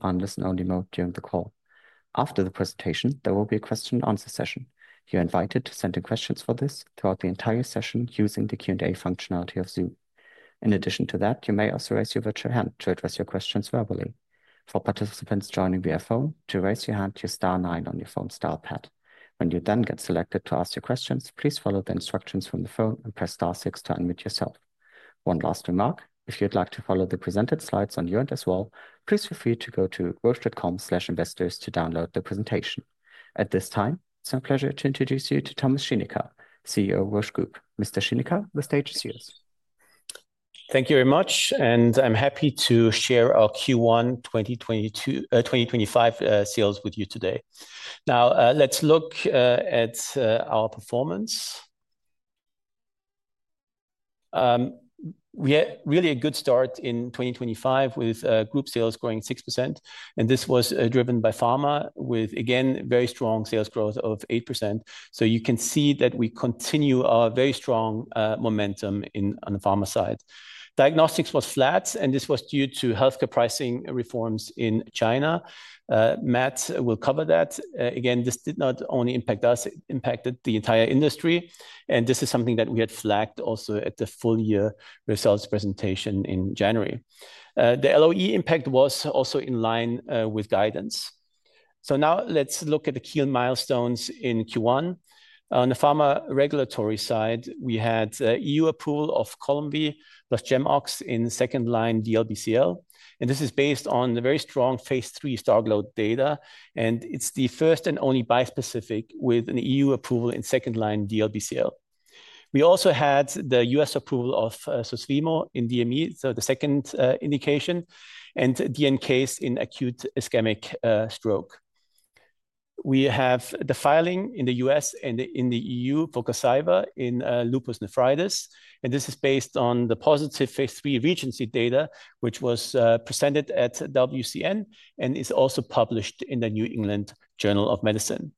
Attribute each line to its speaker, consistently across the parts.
Speaker 1: That understand only mode during the call. After the presentation, there will be a question-and-answer session. You're invited to send in questions for this throughout the entire session using the Q&A functionality of Zoom. In addition to that, you may also raise your virtual hand to address your questions verbally. For participants joining via phone, to raise your hand, use star nine on your phone's dial pad. When you then get selected to ask your questions, please follow the instructions from the phone and press star six to unmute yourself. One last remark: if you'd like to follow the presented slides on your end as well, please feel free to go to roche.com/investors to download the presentation. At this time, it's my pleasure to introduce you to Thomas Schinecker, CEO of Roche Group. Mr. Schinecker, the stage is yours.
Speaker 2: Thank you very much, and I'm happy to share our Q1 2025 sales with you today. Now, let's look at our performance. We had really a good start in 2025 with group sales growing 6%, and this was driven by pharma, with, again, very strong sales growth of 8%. You can see that we continue our very strong momentum on the pharma side. Diagnostics was flat, and this was due to healthcare pricing reforms in China. Matt will cover that. This did not only impact us; it impacted the entire industry, and this is something that we had flagged also at the full-year results presentation in January. The LOE impact was also in line with guidance. Now let's look at the key milestones in Q1. On the pharma regulatory side, we had EU approval of Columvi, plus GemOx in second-line DLBCL, and this is based on the very strong phase III STARGLO data, and it's the first and only bispecific with an EU approval in second line DLBCL. We also had the U.S. approval of Susvimo in DME, so the second indication, and TNKase in acute ischemic stroke. We have the filing in the U.S. and in the EU for Gazvya in lupus nephritis, and this is based on the positive phase III REGENCY data, which was presented at WCN and is also published in the New England Journal of Medicine.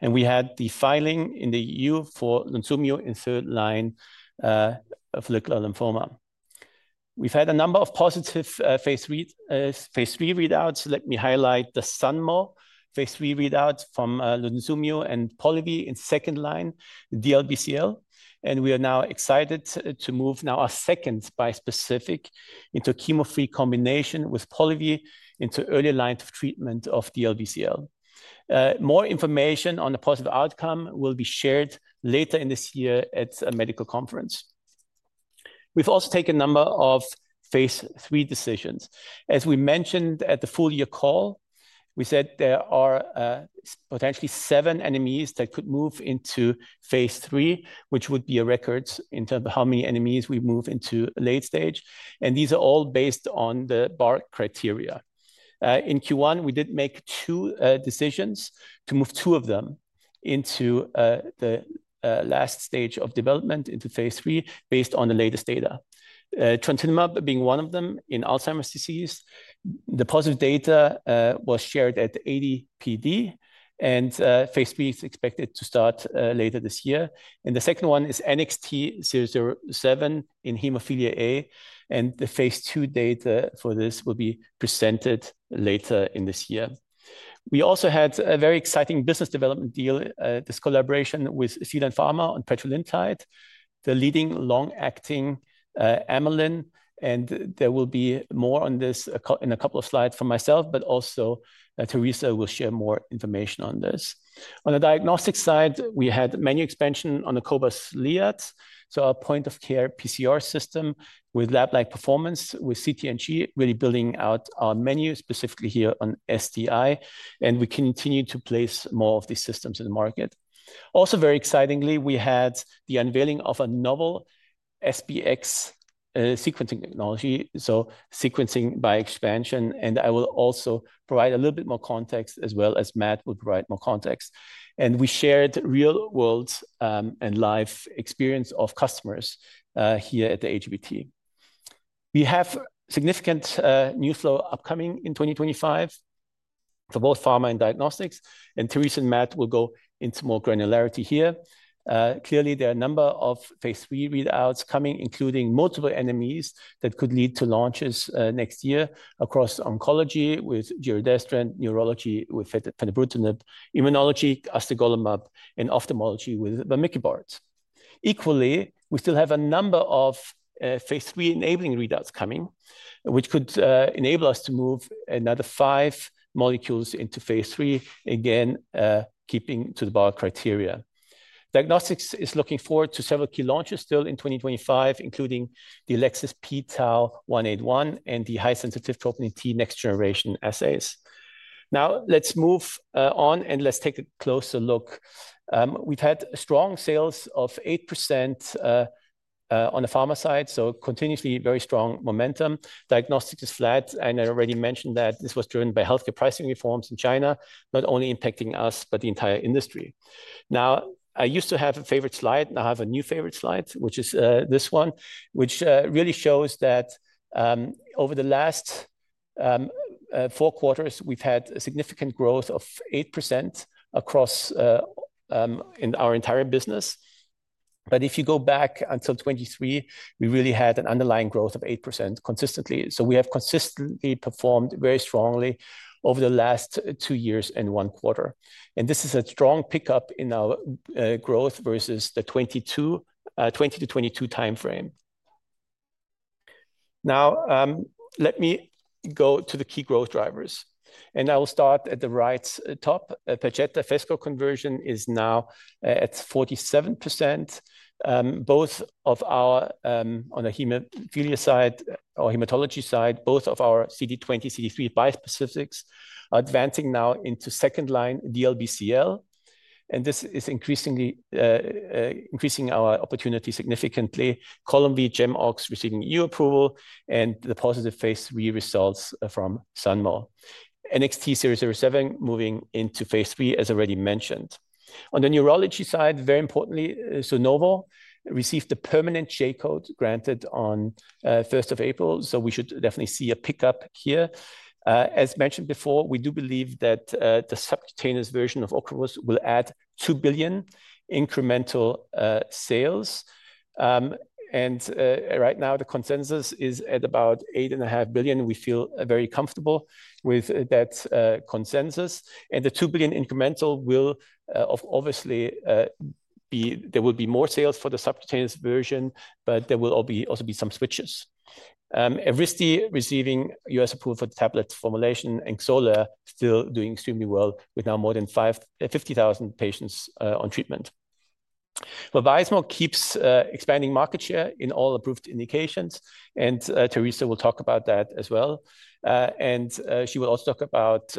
Speaker 2: We had the filing in the EU for Lunsumio in third line follicular lymphoma. We've had a number of positive phase III readouts. Let me highlight the SUNMO phase III readouts from Lunsumio and Polivy in second-line DLBCL, and we are now excited to move now our second bispecific into chemo-free combination with Polivy into early line of treatment of DLBCL. More information on the positive outcome will be shared later in this year at a medical conference. We've also taken a number of phase III decisions. As we mentioned at the full-year call, we said there are potentially seven NMEs that could move into phase III, which would be a record in terms of how many NMEs we move into late stage, and these are all based on the Bar criteria. In Q1, we did make two decisions to move two of them into the last stage of development into phase III based on the latest data, trontinemab being one of them in Alzheimer's disease. The positive data was shared at ADPD, and phase III is expected to start later this year. The second one is NXT007 in hemophilia A, and the phase II data for this will be presented later in this year. We also had a very exciting business development deal, this collaboration with Zealand Pharma on petrelintide, the leading long-acting amylin, and there will be more on this in a couple of slides from myself, but also Teresa will share more information on this. On the Diagnostics side, we had menu expansion on the cobas liat, so our point of care PCR system with lab-like performance with CT/NG really building out our menu specifically here on STI, and we continue to place more of these systems in the market. Also, very excitingly, we had the unveiling of a novel SBX sequencing technology, so sequencing by expansion, and I will also provide a little bit more context as well as Matt will provide more context. We shared real-world and live experience of customers here at the AGBT. We have significant new flow upcoming in 2025 for both pharma and diagnostics, and Teresa and Matt will go into more granularity here. Clearly, there are a number of phase III readouts coming, including multiple NMEs that could lead to launches next year across oncology with giredestrant, neurology with fenebrutinib, immunology, astegolimab, and ophthalmology with vamikibart. Equally, we still have a number of phase III enabling readouts coming, which could enable us to move another five molecules into phase III, again keeping to the Bar criteria. Diagnostics is looking forward to several key launches still in 2025, including the Elecsys pTau 181 and the high-sensitive troponin T next-generation assays. Now, let's move on and let's take a closer look. We've had strong sales of 8% on the pharma side, so continuously very strong momentum. Diagnostics is flat, and I already mentioned that this was driven by healthcare pricing reforms in China, not only impacting us, but the entire industry. Now, I used to have a favorite slide, and I have a new favorite slide, which is this one, which really shows that over the last four quarters, we've had a significant growth of 8% across our entire business. If you go back until 2023, we really had an underlying growth of 8% consistently. We have consistently performed very strongly over the last two years and one quarter. This is a strong pickup in our growth versus the 2020 to 2022 timeframe. Now, let me go to the key growth drivers, and I will start at the right top. Perjeta/Phesgo conversion is now at 47%. Both of our, on the hemophilia side, or hematology side, both of our CD20, CD3 bispecifics are advancing now into second line DLBCL, and this is increasingly increasing our opportunity significantly. Columvi, GemOx receiving EU approval, and the positive phase III results from SUNMO. NXT007 moving into phase III, as already mentioned. On the neurology side, very importantly, Zunovo received the permanent J-Code granted on 1st of April, so we should definitely see a pickup here. As mentioned before, we do believe that the subcutaneous version of Ocrevus will add 2 billion incremental sales, and right now the consensus is at about 8.5 billion. We feel very comfortable with that consensus, and the 2 billion incremental will obviously be, there will be more sales for the subcutaneous version, but there will also be some switches. Evrysdi receiving U.S. approval for tablet formulation, and Xolair still doing extremely well with now more than 50,000 patients on treatment. Vabysmo keeps expanding market share in all approved indications, and Teresa will talk about that as well, and she will also talk about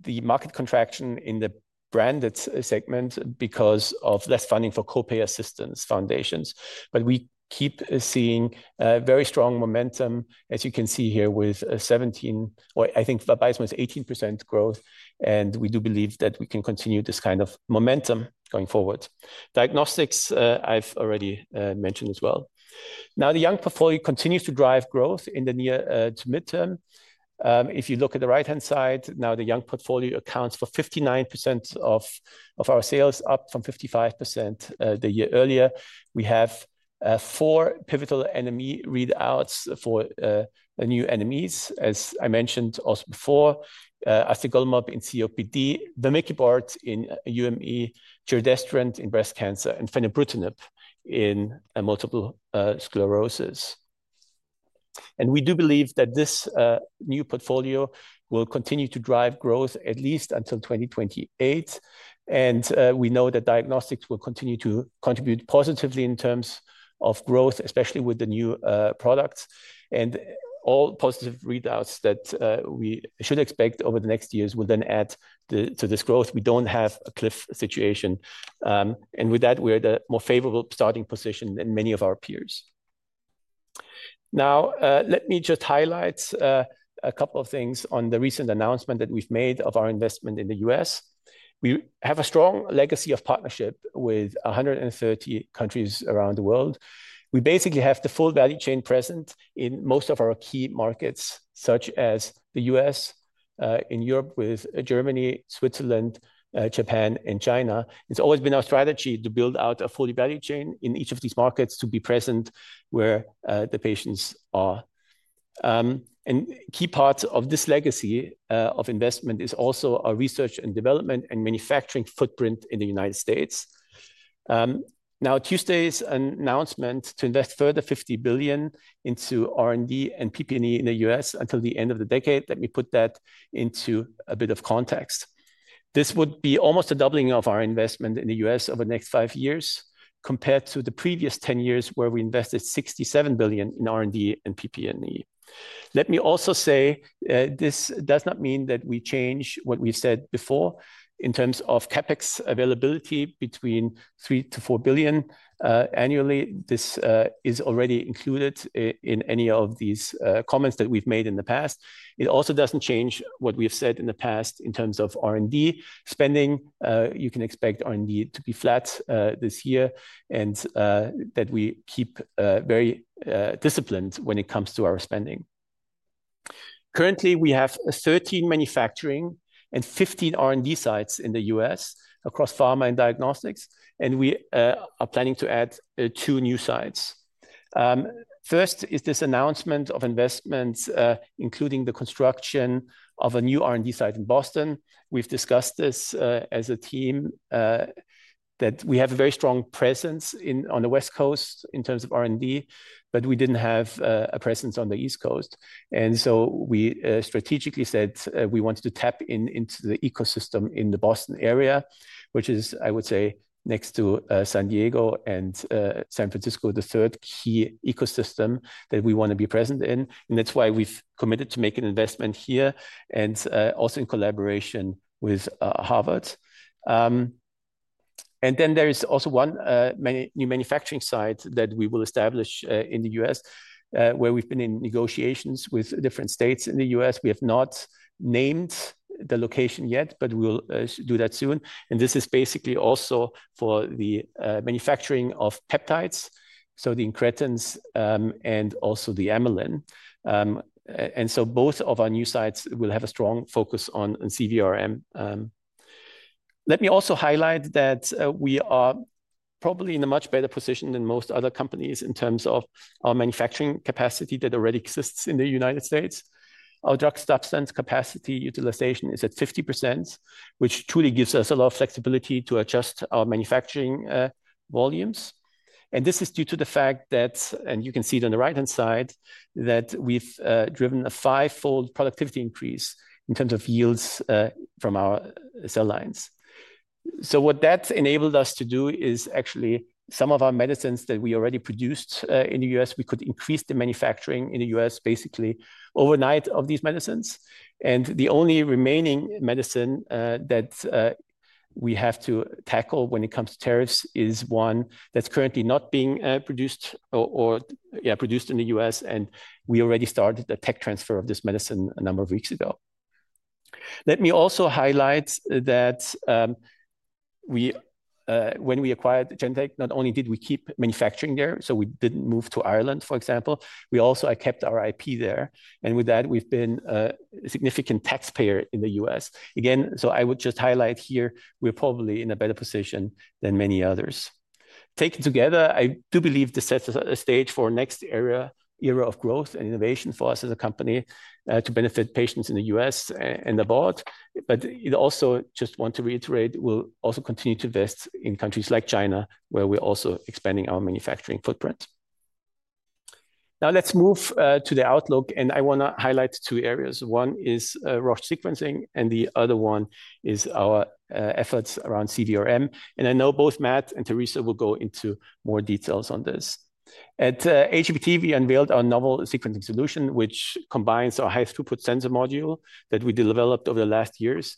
Speaker 2: the market contraction in the branded segment because of less funding for co-pay assistance foundations. We keep seeing very strong momentum, as you can see here with 17%, or I think Vabysmo is 18% growth, and we do believe that we can continue this kind of momentum going forward. Diagnostics, I've already mentioned as well. Now, the young portfolio continues to drive growth in the near to midterm. If you look at the right-hand side, now the young portfolio accounts for 59% of our sales, up from 55% the year earlier. We have four pivotal NME readouts for new NMEs, as I mentioned also before, astegolimab in COPD, vamikibart in UME, giredestrant in breast cancer, and fenebrutinib in multiple sclerosis. We do believe that this new portfolio will continue to drive growth at least until 2028, and we know that diagnostics will continue to contribute positively in terms of growth, especially with the new products, and all positive readouts that we should expect over the next years will then add to this growth. We do not have a cliff situation, and with that, we are at a more favorable starting position than many of our peers. Now, let me just highlight a couple of things on the recent announcement that we have made of our investment in the U.S. We have a strong legacy of partnership with 130 countries around the world. We basically have the full value chain present in most of our key markets, such as the U.S., in Europe with Germany, Switzerland, Japan, and China. It has always been our strategy to build out a full value chain in each of these markets to be present where the patients are. Key parts of this legacy of investment is also our research and development and manufacturing footprint in the United States. Now, Tuesday's announcement to invest a further 50 billion into R&D and PP&E in the U.S. until the end of the decade, let me put that into a bit of context. This would be almost a doubling of our investment in the U.S. over the next five years compared to the previous 10 years where we invested 67 billion in R&D and PP&E. Let me also say this does not mean that we change what we've said before in terms of CapEx availability between 3 billion and 4 billion annually. This is already included in any of these comments that we've made in the past. It also doesn't change what we've said in the past in terms of R&D spending. You can expect R&D to be flat this year and that we keep very disciplined when it comes to our spending. Currently, we have 13 manufacturing and 15 R&D sites in the U.S. across pharma and diagnostics, and we are planning to add two new sites. First is this announcement of investments, including the construction of a new R&D site in Boston. We've discussed this as a team that we have a very strong presence on the West Coast in terms of R&D, but we didn't have a presence on the East Coast. We strategically said we wanted to tap into the ecosystem in the Boston area, which is, I would say, next to San Diego and San Francisco, the third key ecosystem that we want to be present in. That is why we have committed to make an investment here and also in collaboration with Harvard. There is also one new manufacturing site that we will establish in the U.S. where we have been in negotiations with different states in the U.S. We have not named the location yet, but we will do that soon. This is basically also for the manufacturing of peptides, so the incretins and also the amylin. Both of our new sites will have a strong focus on CVRM. Let me also highlight that we are probably in a much better position than most other companies in terms of our manufacturing capacity that already exists in the United States. Our drug substance capacity utilization is at 50%, which truly gives us a lot of flexibility to adjust our manufacturing volumes. This is due to the fact that, and you can see it on the right-hand side, that we've driven a five-fold productivity increase in terms of yields from our cell lines. What that enabled us to do is actually some of our medicines that we already produced in the United States, we could increase the manufacturing in the United States basically overnight of these medicines. The only remaining medicine that we have to tackle when it comes to tariffs is one that's currently not being produced or produced in the U.S., and we already started the tech transfer of this medicine a number of weeks ago. Let me also highlight that when we acquired Genentech, not only did we keep manufacturing there, so we didn't move to Ireland, for example, we also kept our IP there, and with that, we've been a significant taxpayer in the U.S. Again, I would just highlight here, we're probably in a better position than many others. Taken together, I do believe this sets a stage for our next era of growth and innovation for us as a company to benefit patients in the U.S. and abroad, but I also just want to reiterate, we'll also continue to invest in countries like China where we're also expanding our manufacturing footprint. Now let's move to the outlook, and I want to highlight two areas. One is Roche sequencing, and the other one is our efforts around CVRM. I know both Matt and Teresa will go into more details on this. At AGBT, we unveiled our novel sequencing solution, which combines our high-throughput sensor module that we developed over the last years.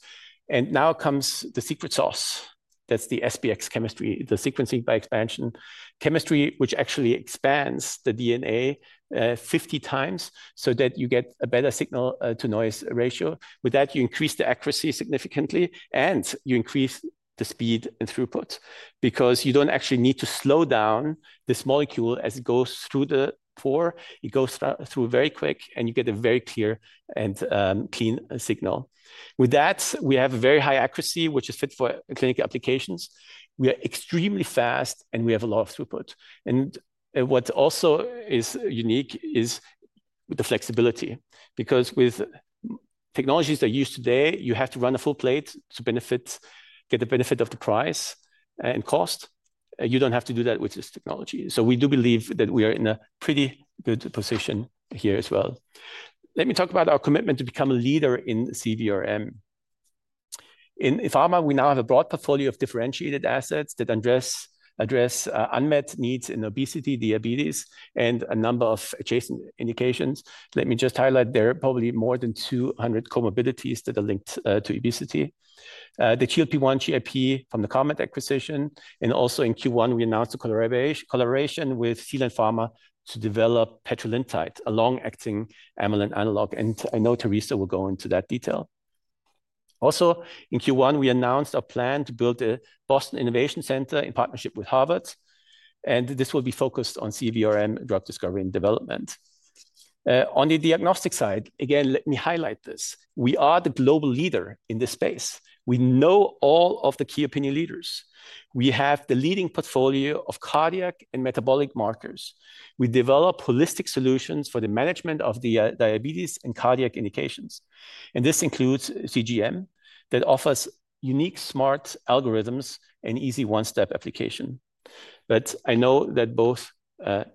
Speaker 2: Now comes the secret sauce. That's the SBX chemistry, the sequencing by expansion chemistry, which actually expands the DNA 50x so that you get a better signal-to-noise ratio. With that, you increase the accuracy significantly, and you increase the speed and throughput because you do not actually need to slow down this molecule as it goes through the pore. It goes through very quick, and you get a very clear and clean signal. With that, we have a very high accuracy, which is fit for clinical applications. We are extremely fast, and we have a lot of throughput. What also is unique is the flexibility because with technologies that are used today, you have to run a full plate to get the benefit of the price and cost. You do not have to do that with this technology. We do believe that we are in a pretty good position here as well. Let me talk about our commitment to become a leader in CVRM. In pharma, we now have a broad portfolio of differentiated assets that address unmet needs in obesity, diabetes, and a number of adjacent indications. Let me just highlight there are probably more than 200 comorbidities that are linked to obesity. The GLP-1, GIP from the Carmot acquisition, and also in Q1, we announced a collaboration with Zealand Pharma to develop petrelintide, a long-acting amylin analog. I know Teresa will go into that detail. Also, in Q1, we announced our plan to build a Boston Innovation Center in partnership with Harvard, and this will be focused on CVRM drug discovery and development. On the diagnostic side, again, let me highlight this. We are the global leader in this space. We know all of the key opinion leaders. We have the leading portfolio of cardiac and metabolic markers. We develop holistic solutions for the management of diabetes and cardiac indications. This includes CGM that offers unique smart algorithms and easy one-step application. I know that both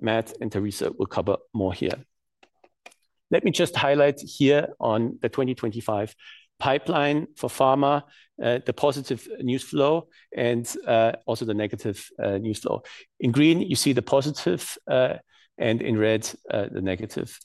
Speaker 2: Matt and Teresa will cover more here. Let me just highlight here on the 2025 pipeline for pharma, the positive news flow and also the negative news flow. In green, you see the positive, and in red, the negative.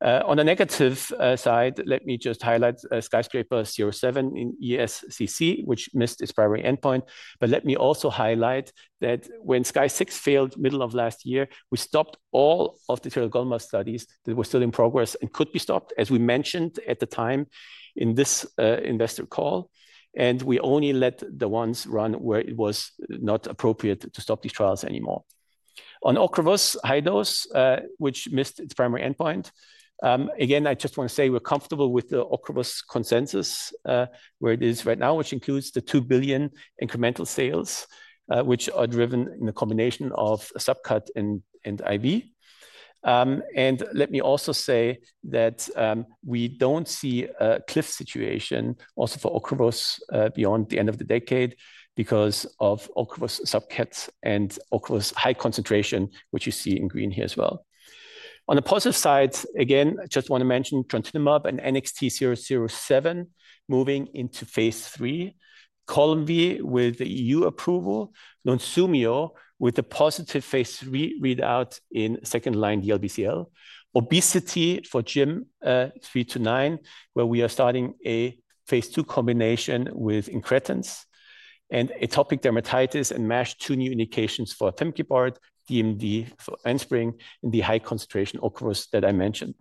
Speaker 2: On the negative side, let me just highlight SKYSCRAPER-07 in ESCC, which missed its primary endpoint. I also want to highlight that when SKY-06 failed middle of last year, we stopped all of the tiragolumab studies that were still in progress and could be stopped, as we mentioned at the time in this investor call, and we only let the ones run where it was not appropriate to stop these trials anymore. On Ocrevus high dose, which missed its primary endpoint, again, I just want to say we're comfortable with the Ocrevus consensus where it is right now, which includes the 2 billion incremental sales, which are driven in the combination of a subcut and IV. Let me also say that we don't see a cliff situation also for Ocrevus beyond the end of the decade because of Ocrevus subcuts and Ocrevus high concentration, which you see in green here as well. On the positive side, again, I just want to mention trontinemab and NXT007 moving into phase III, Columvi with the EU approval, Lunsumio with the positive phase III readout in second line DLBCL, obesity for GYM 329, where we are starting a phase II combination with incretins and atopic dermatitis and MASH, two new indications for vamikibart, DMD for Enspryng, and the high concentration Ocrevus that I mentioned.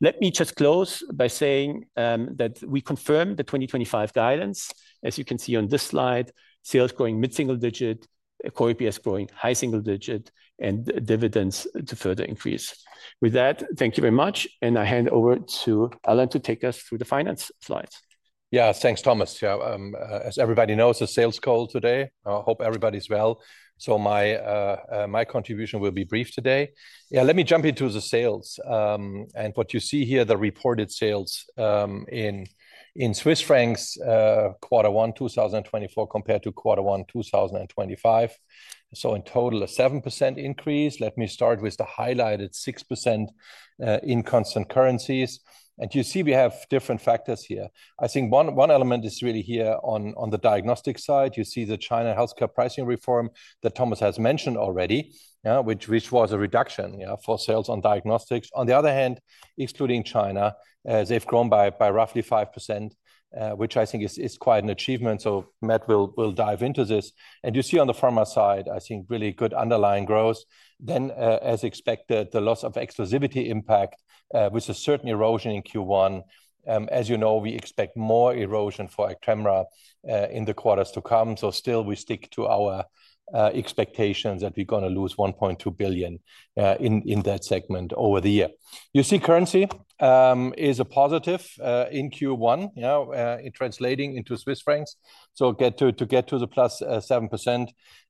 Speaker 2: Let me just close by saying that we confirm the 2025 guidance. As you can see on this slide, sales growing mid-single digit, core EPS growing high single digit, and dividends to further increase. With that, thank you very much, and I hand over to Alan to take us through the finance slides.
Speaker 3: Yeah, thanks, Thomas. Yeah, as everybody knows, a sales call today. I hope everybody's well. So my contribution will be brief today. Yeah, let me jump into the sales. What you see here, the reported sales in Swiss francs quarter one 2024 compared to quarter one 2025. In total, a 7% increase. Let me start with the highlighted 6% in constant currencies. You see we have different factors here. I think one element is really here on the diagnostic side. You see the China healthcare pricing reform that Thomas has mentioned already, which was a reduction for sales on diagnostics. On the other hand, excluding China, they've grown by roughly 5%, which I think is quite an achievement. Matt will dive into this. You see on the pharma side, I think really good underlying growth. As expected, the loss of exclusivity impact with a certain erosion in Q1. As you know, we expect more erosion for Actemra in the quarters to come. Still, we stick to our expectations that we're going to lose 1.2 billion in that segment over the year. You see currency is a positive in Q1, translating into Swiss francs. Get to the +7%,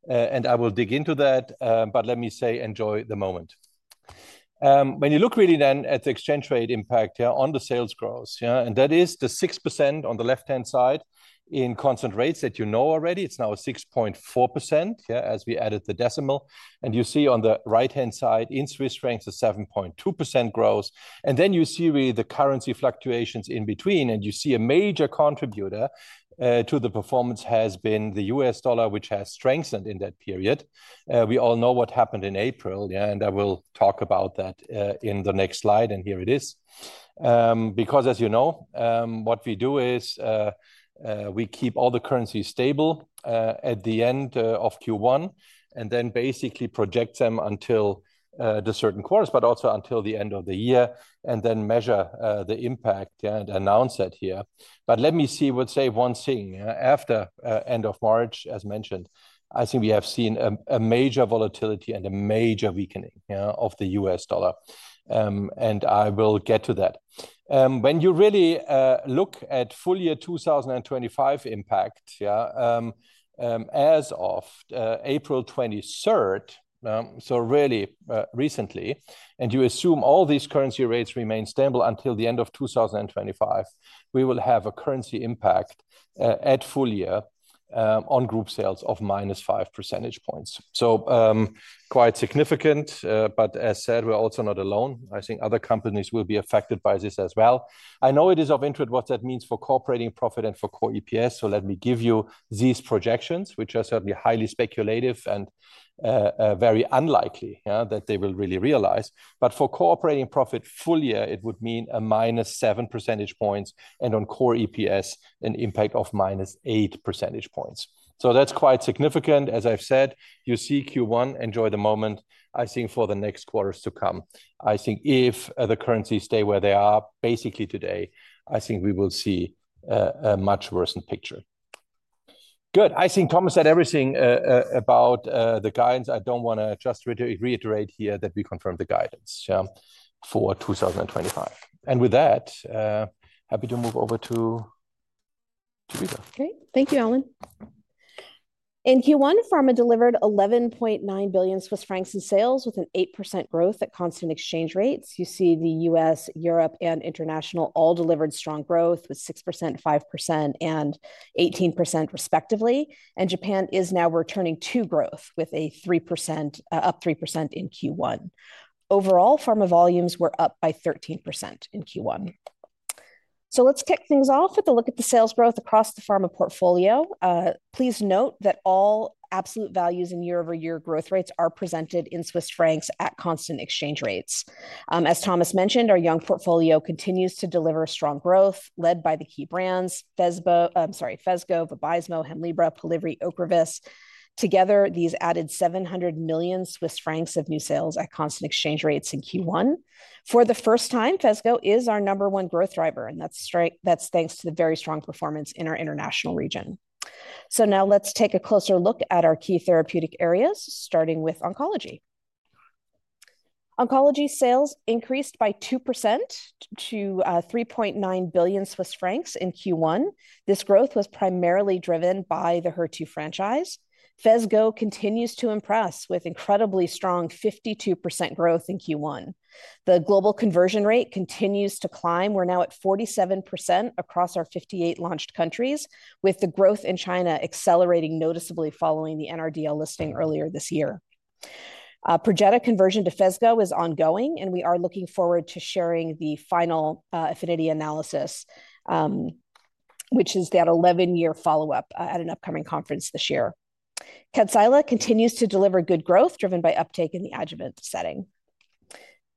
Speaker 3: and I will dig into that, but let me say enjoy the moment. When you look really then at the exchange rate impact here on the sales growth, and that is the 6% on the left-hand side in constant rates that you know already. It's now 6.4% as we added the decimal. You see on the right-hand side in Swiss francs, a 7.2% growth. You see really the currency fluctuations in between, and you see a major contributor to the performance has been the U.S. dollar, which has strengthened in that period. We all know what happened in April, and I will talk about that in the next slide, and here it is. Because as you know, what we do is we keep all the currencies stable at the end of Q1 and then basically project them until the certain quarters, but also until the end of the year, and then measure the impact and announce that here. Let me see, I'll say one thing after end of March, as mentioned, I think we have seen a major volatility and a major weakening of the U.S. dollar. I will get to that. When you really look at full year 2025 impact as of April 23, so really recently, and you assume all these currency rates remain stable until the end of 2025, we will have a currency impact at full year on group sales of minus five percentage points. Quite significant, but as said, we're also not alone. I think other companies will be affected by this as well. I know it is of interest what that means for core operating profit and for core EPS. Let me give you these projections, which are certainly highly speculative and very unlikely that they will really realize. For core operating profit full year, it would mean a minus seven percentage points and on core EPS, an impact of minus eight percentage points. That's quite significant. As I've said, you see Q1, enjoy the moment. I think for the next quarters to come, if the currencies stay where they are basically today, I think we will see a much worsened picture. Good. I think Thomas said everything about the guidance. I don't want to just reiterate here that we confirm the guidance for 2025. With that, happy to move over to Teresa.
Speaker 4: Great. Thank you, Alan. In Q1, pharma delivered 11.9 billion Swiss francs in sales with an 8% growth at constant exchange rates. You see the U.S., Europe, and international all delivered strong growth with 6%, 5%, and 18% respectively. Japan is now returning to growth with a 3%, up 3% in Q1. Overall, pharma volumes were up by 13% in Q1. Let's kick things off with a look at the sales growth across the pharma portfolio. Please note that all absolute values and year-over-year growth rates are presented in Swiss francs at constant exchange rates. As Thomas mentioned, our young portfolio continues to deliver strong growth led by the key brands, Phesgo, Vabysmo, Hemlibra, Polivy, Ocrevus. Together, these added 700 million Swiss francs of new sales at constant exchange rates in Q1. For the first time, Phesgo is our number one growth driver, and that's thanks to the very strong performance in our international region. Now let's take a closer look at our key therapeutic areas, starting with oncology. Oncology sales increased by 2% to 3.9 billion Swiss francs in Q1. This growth was primarily driven by the HER2 franchise. Phesgo continues to impress with incredibly strong 52% growth in Q1. The global conversion rate continues to climb. We're now at 47% across our 58 launched countries, with the growth in China accelerating noticeably following the NRDL listing earlier this year. Perjeta conversion to Phesgo is ongoing, and we are looking forward to sharing the final APHINITY analysis, which is that 11-year follow-up at an upcoming conference this year. Kadcyla continues to deliver good growth driven by uptake in the adjuvant setting.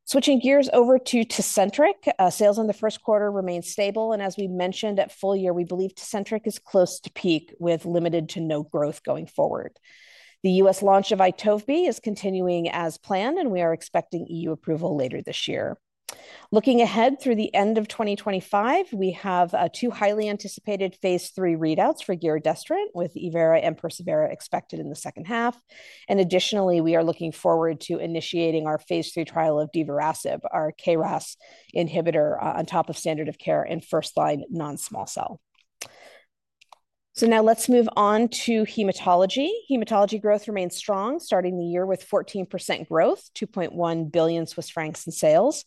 Speaker 4: Switching gears over to Tecentriq, sales in the first quarter remained stable. As we mentioned at full year, we believe Tecentriq is close to peak with limited to no growth going forward. The U.S. launch of Itovebi is continuing as planned, and we are expecting EU approval later this year. Looking ahead through the end of 2025, we have two highly anticipated phase III readouts for giredestrant, with evERA and persevERA expected in the second half. Additionally, we are looking forward to initiating our phase III trial of divarasib, our KRAS inhibitor on top of standard of care in first-line non-small cell. Now let's move on to hematology. Hematology growth remains strong, starting the year with 14% growth, 2.1 billion Swiss francs in sales.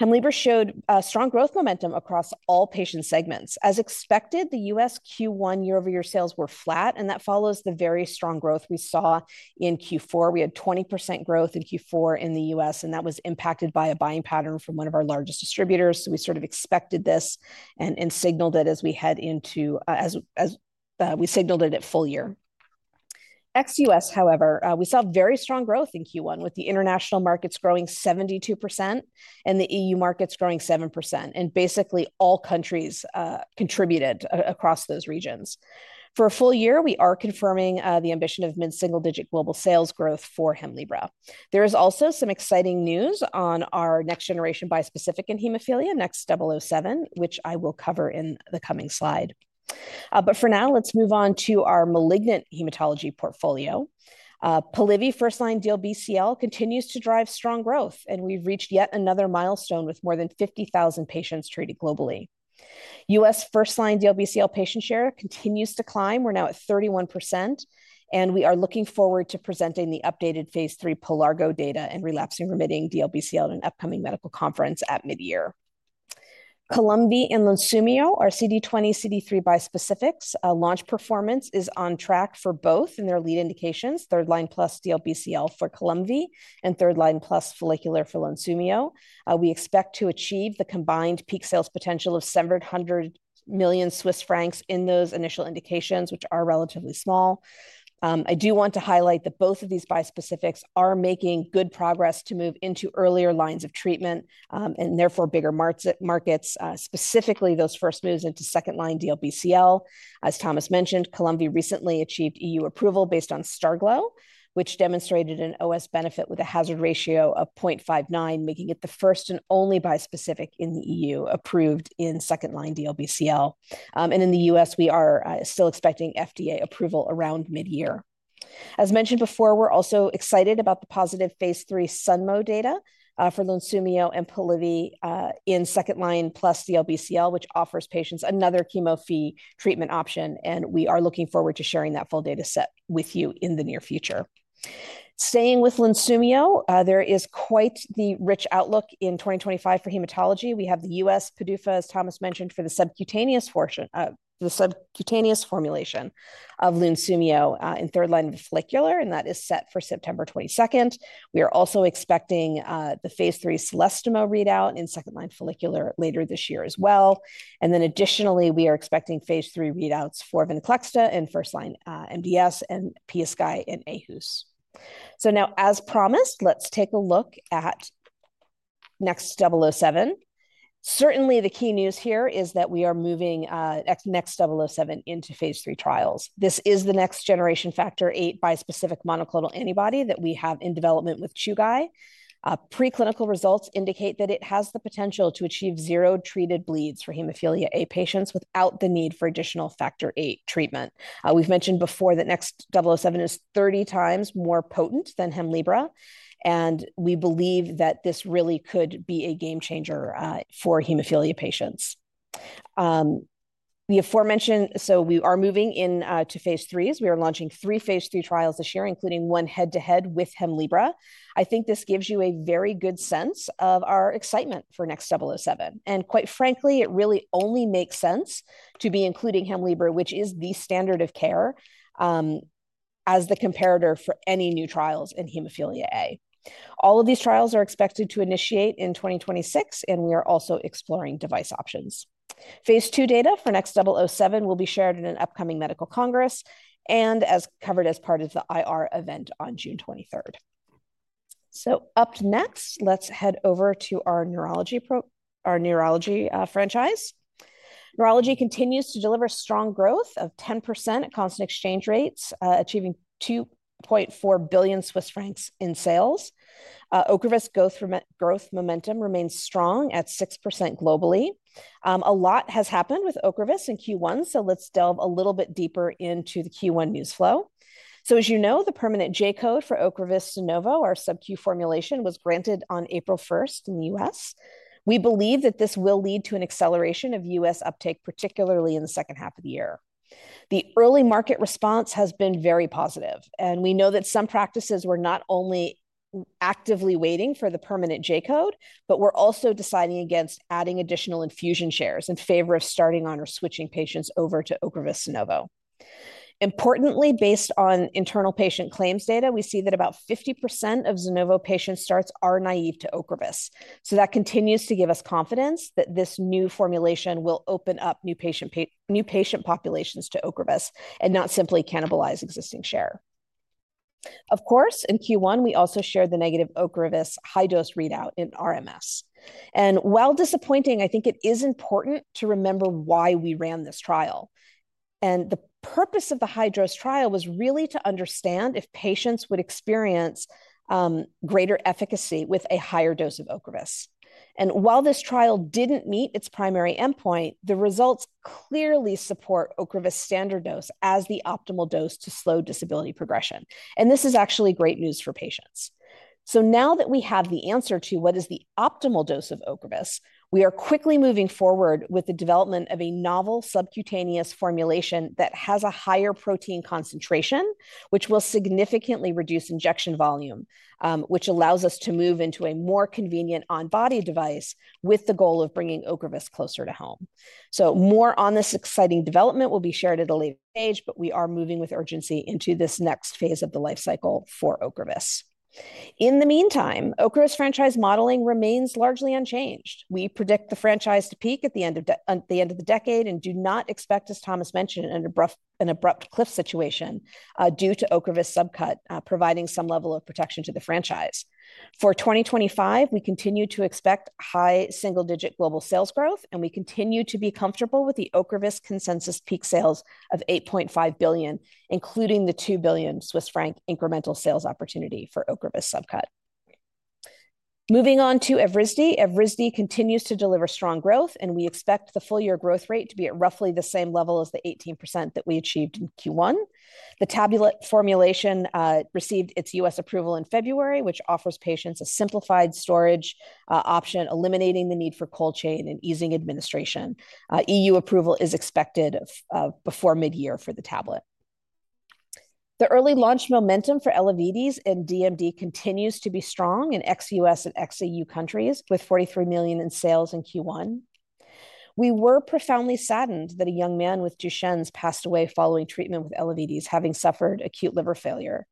Speaker 4: Hemlibra showed strong growth momentum across all patient segments. As expected, the U.S. Q1 year-over-year sales were flat, and that follows the very strong growth we saw in Q4. We had 20% growth in Q4 in the U.S., and that was impacted by a buying pattern from one of our largest distributors. We sort of expected this and signaled it as we head into, as we signaled it at full year. Ex-U.S., however, we saw very strong growth in Q1 with the international markets growing 72% and the EU markets growing 7%. Basically, all countries contributed across those regions. For a full year, we are confirming the ambition of mid-single digit global sales growth for Hemlibra. There is also some exciting news on our next generation bispecific in hemophilia, NXT007, which I will cover in the coming slide. For now, let's move on to our malignant hematology portfolio. Polivy, first-line DLBCL continues to drive strong growth, and we've reached yet another milestone with more than 50,000 patients treated globally. U.S. first-line DLBCL patient share continues to climb. We're now at 31%, and we are looking forward to presenting the updated phase III POLARGO data in relapsing remitting DLBCL in an upcoming medical conference at mid-year. Columvi and Lunsumio, our CD20, CD3 bispecifics, launch performance is on track for both in their lead indications, third-line plus DLBCL for Columvi and third-line plus follicular for Lunsumio. We expect to achieve the combined peak sales potential of 700 million Swiss francs in those initial indications, which are relatively small. I do want to highlight that both of these bispecifics are making good progress to move into earlier lines of treatment and therefore bigger markets, specifically those first moves into second-line DLBCL. As Thomas mentioned, Columvi recently achieved EU approval based on STARGLO, which demonstrated an OS benefit with a hazard ratio of 0.59, making it the first and only bispecific in the EU approved in second-line DLBCL. In the U.S., we are still expecting FDA approval around mid-year. As mentioned before, we're also excited about the positive phase III SUNMO data for Lunsumio and Polivy in second-line plus DLBCL, which offers patients another chemo-free treatment option, and we are looking forward to sharing that full dataset with you in the near future. Staying with Lunsumio, there is quite the rich outlook in 2025 for hematology. We have the U.S. PDUFA, as Thomas mentioned, for the subcutaneous formulation of Lunsumio in third-line follicular, and that is set for September 22nd. We are also expecting the phase III CELESTIMO readout in second-line follicular later this year as well. Additionally, we are expecting phase III readouts for Venclexta in first-line MDS and PiaSky in aHUS. As promised, let's take a look at NXT007. Certainly, the key news here is that we are moving NXT007 into phase III trials. This is the next generation Factor VIII bispecific monoclonal antibody that we have in development with Chugai. Pre-clinical results indicate that it has the potential to achieve zero treated bleeds for hemophilia A patients without the need for additional Factor VIII treatment. We've mentioned before that NXT007 is 30x more potent than Hemlibra, and we believe that this really could be a game changer for hemophilia patients. As aforementioned, we are moving into phase III. We are launching three phase III trials this year, including one head-to-head with Hemlibra. I think this gives you a very good sense of our excitement for NXT007. Quite frankly, it really only makes sense to be including Hemlibra, which is the standard of care, as the comparator for any new trials in hemophilia A. All of these trials are expected to initiate in 2026, and we are also exploring device options. Phase II data for NXT007 will be shared in an upcoming medical congress and as covered as part of the IR event on June 23rd. Up next, let's head over to our neurology franchise. Neurology continues to deliver strong growth of 10% at constant exchange rates, achieving 2.4 billion Swiss francs in sales. Ocrevus growth momentum remains strong at 6% globally. A lot has happened with Ocrevus in Q1, so let's delve a little bit deeper into the Q1 news flow. As you know, the permanent J-code for Ocrevus Zunovo, our subcue formulation, was granted on April 1st in the U.S. We believe that this will lead to an acceleration of U.S. uptake, particularly in the second half of the year. The early market response has been very positive, and we know that some practices were not only actively waiting for the permanent J-code, but were also deciding against adding additional infusion shares in favor of starting on or switching patients over to Ocrevus Zunovo. Importantly, based on internal patient claims data, we see that about 50% of Zunovo patient starts are naive to Ocrevus. That continues to give us confidence that this new formulation will open up new patient populations to Ocrevus and not simply cannibalize existing share. Of course, in Q1, we also shared the negative Ocrevus high-dose readout in RMS. While disappointing, I think it is important to remember why we ran this trial. The purpose of the high-dose trial was really to understand if patients would experience greater efficacy with a higher dose of Ocrevus. While this trial did not meet its primary endpoint, the results clearly support Ocrevus standard dose as the optimal dose to slow disability progression. This is actually great news for patients. Now that we have the answer to what is the optimal dose of Ocrevus, we are quickly moving forward with the development of a novel subcutaneous formulation that has a higher protein concentration, which will significantly reduce injection volume, which allows us to move into a more convenient on-body device with the goal of bringing Ocrevus closer to home. More on this exciting development will be shared at a later stage, but we are moving with urgency into this next phase of the life cycle for Ocrevus. In the meantime, Ocrevus franchise modeling remains largely unchanged. We predict the franchise to peak at the end of the decade and do not expect, as Thomas mentioned, an abrupt cliff situation due to Ocrevus subcut providing some level of protection to the franchise. For 2025, we continue to expect high single-digit global sales growth, and we continue to be comfortable with the Ocrevus consensus peak sales of 8.5 billion, including the 2 billion Swiss franc incremental sales opportunity for Ocrevus subcut. Moving on to Evrysdi. Evrysdi continues to deliver strong growth, and we expect the full-year growth rate to be at roughly the same level as the 18% that we achieved in Q1. The tablet formulation received its U.S. approval in February, which offers patients a simplified storage option, eliminating the need for cold chain and easing administration. EU approval is expected before mid-year for the tablet. The early launch momentum for Elevidys and DMD continues to be strong in ex-U.S. and ex-EU countries with 43 million in sales in Q1. We were profoundly saddened that a young man with Duchenne's passed away following treatment with Elevidys, having suffered acute liver failure.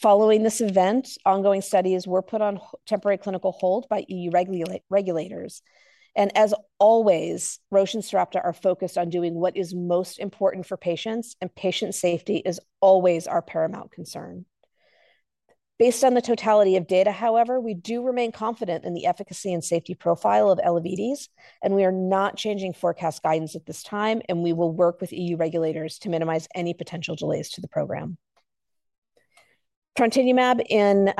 Speaker 4: Following this event, ongoing studies were put on temporary clinical hold by EU regulators. Roche and Sarepta are focused on doing what is most important for patients, and patient safety is always our paramount concern. Based on the totality of data, however, we do remain confident in the efficacy and safety profile of Elevidys, and we are not changing forecast guidance at this time, and we will work with EU regulators to minimize any potential delays to the program. Trontinemab in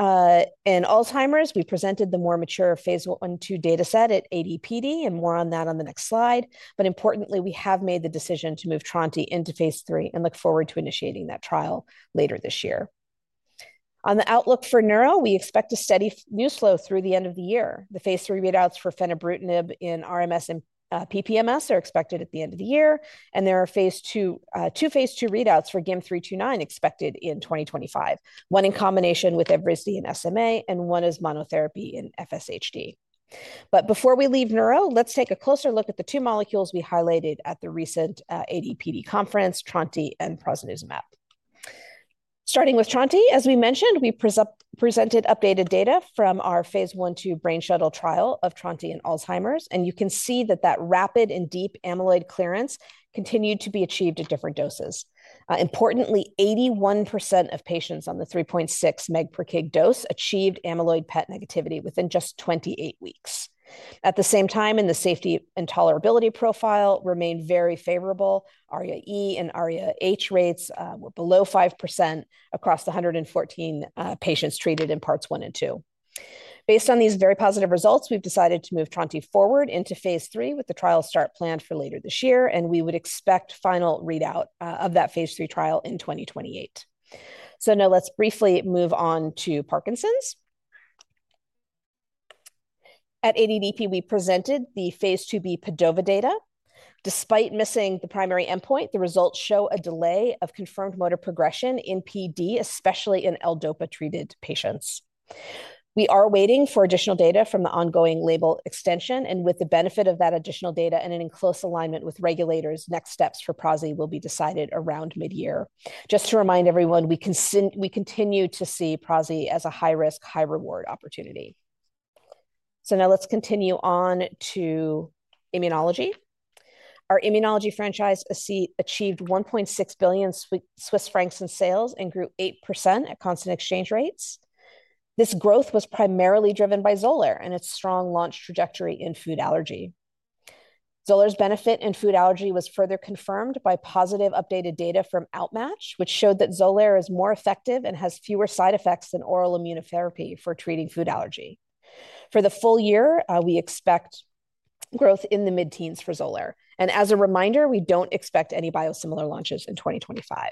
Speaker 4: Alzheimer's, we presented the more mature phase I two dataset at ADPD, and more on that on the next slide. Importantly, we have made the decision to move trontinemab into phase III and look forward to initiating that trial later this year. On the outlook for Neuro, we expect a steady news flow through the end of the year. The phase III readouts for fenebrutinib in RMS and PPMS are expected at the end of the year, and there are two phase II readouts for GYM 329 expected in 2025, one in combination with Evrysdi and SMA, and one as monotherapy in FSHD. Before we leave Neuro, let's take a closer look at the two molecules we highlighted at the recent ADPD conference, tronti and prasinezumab. Starting with tronti, as we mentioned, we presented updated data from our phase I to Brainshuttle trial of tronti in Alzheimer's, and you can see that that rapid and deep amyloid clearance continued to be achieved at different doses. Importantly, 81% of patients on the 3.6 mg per kg dose achieved amyloid PET negativity within just 28 weeks. At the same time, the safety and tolerability profile remained very favorable. ARIA E and ARIA H rates were below 5% across the 114 patients treated in parts one and two. Based on these very positive results, we've decided to move tronti forward into phase III with the trial start planned for later this year, and we would expect final readout of that phase III trial in 2028. Now let's briefly move on to Parkinson's. At ADPD, we presented the phase II-B PADOVA data. Despite missing the primary endpoint, the results show a delay of confirmed motor progression in PD, especially in L-DOPA treated patients. We are waiting for additional data from the ongoing label extension, and with the benefit of that additional data and in close alignment with regulators, next steps for prasi will be decided around mid-year. Just to remind everyone, we continue to see prasi as a high-risk, high-reward opportunity. Now let's continue on to immunology. Our immunology franchise achieved 1.6 billion Swiss francs in sales and grew 8% at constant exchange rates. This growth was primarily driven by Xolair and its strong launch trajectory in food allergy. Xolair's benefit in food allergy was further confirmed by positive updated data from OUtMATCH, which showed that Xolair is more effective and has fewer side effects than oral immunotherapy for treating food allergy. For the full year, we expect growth in the mid-teens for Xolair. As a reminder, we do not expect any biosimilar launches in 2025.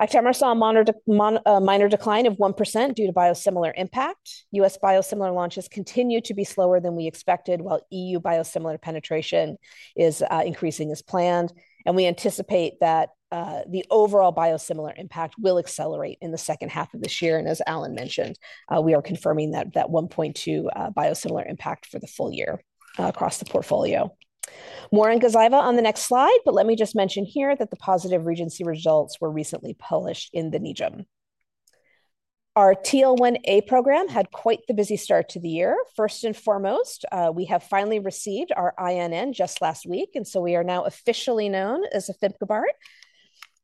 Speaker 4: Actemra saw a minor decline of 1% due to biosimilar impact. U.S. biosimilar launches continue to be slower than we expected, while EU biosimilar penetration is increasing as planned. We anticipate that the overall biosimilar impact will accelerate in the second half of this year. As Alan mentioned, we are confirming that 1.2% biosimilar impact for the full year across the portfolio. More on Gazvya on the next slide, but let me just mention here that the positive REGENCY results were recently published in the NEJM. Our TL1A program had quite the busy start to the year. First and foremost, we have finally received our INN just last week, and so we are now officially known as afimkibart.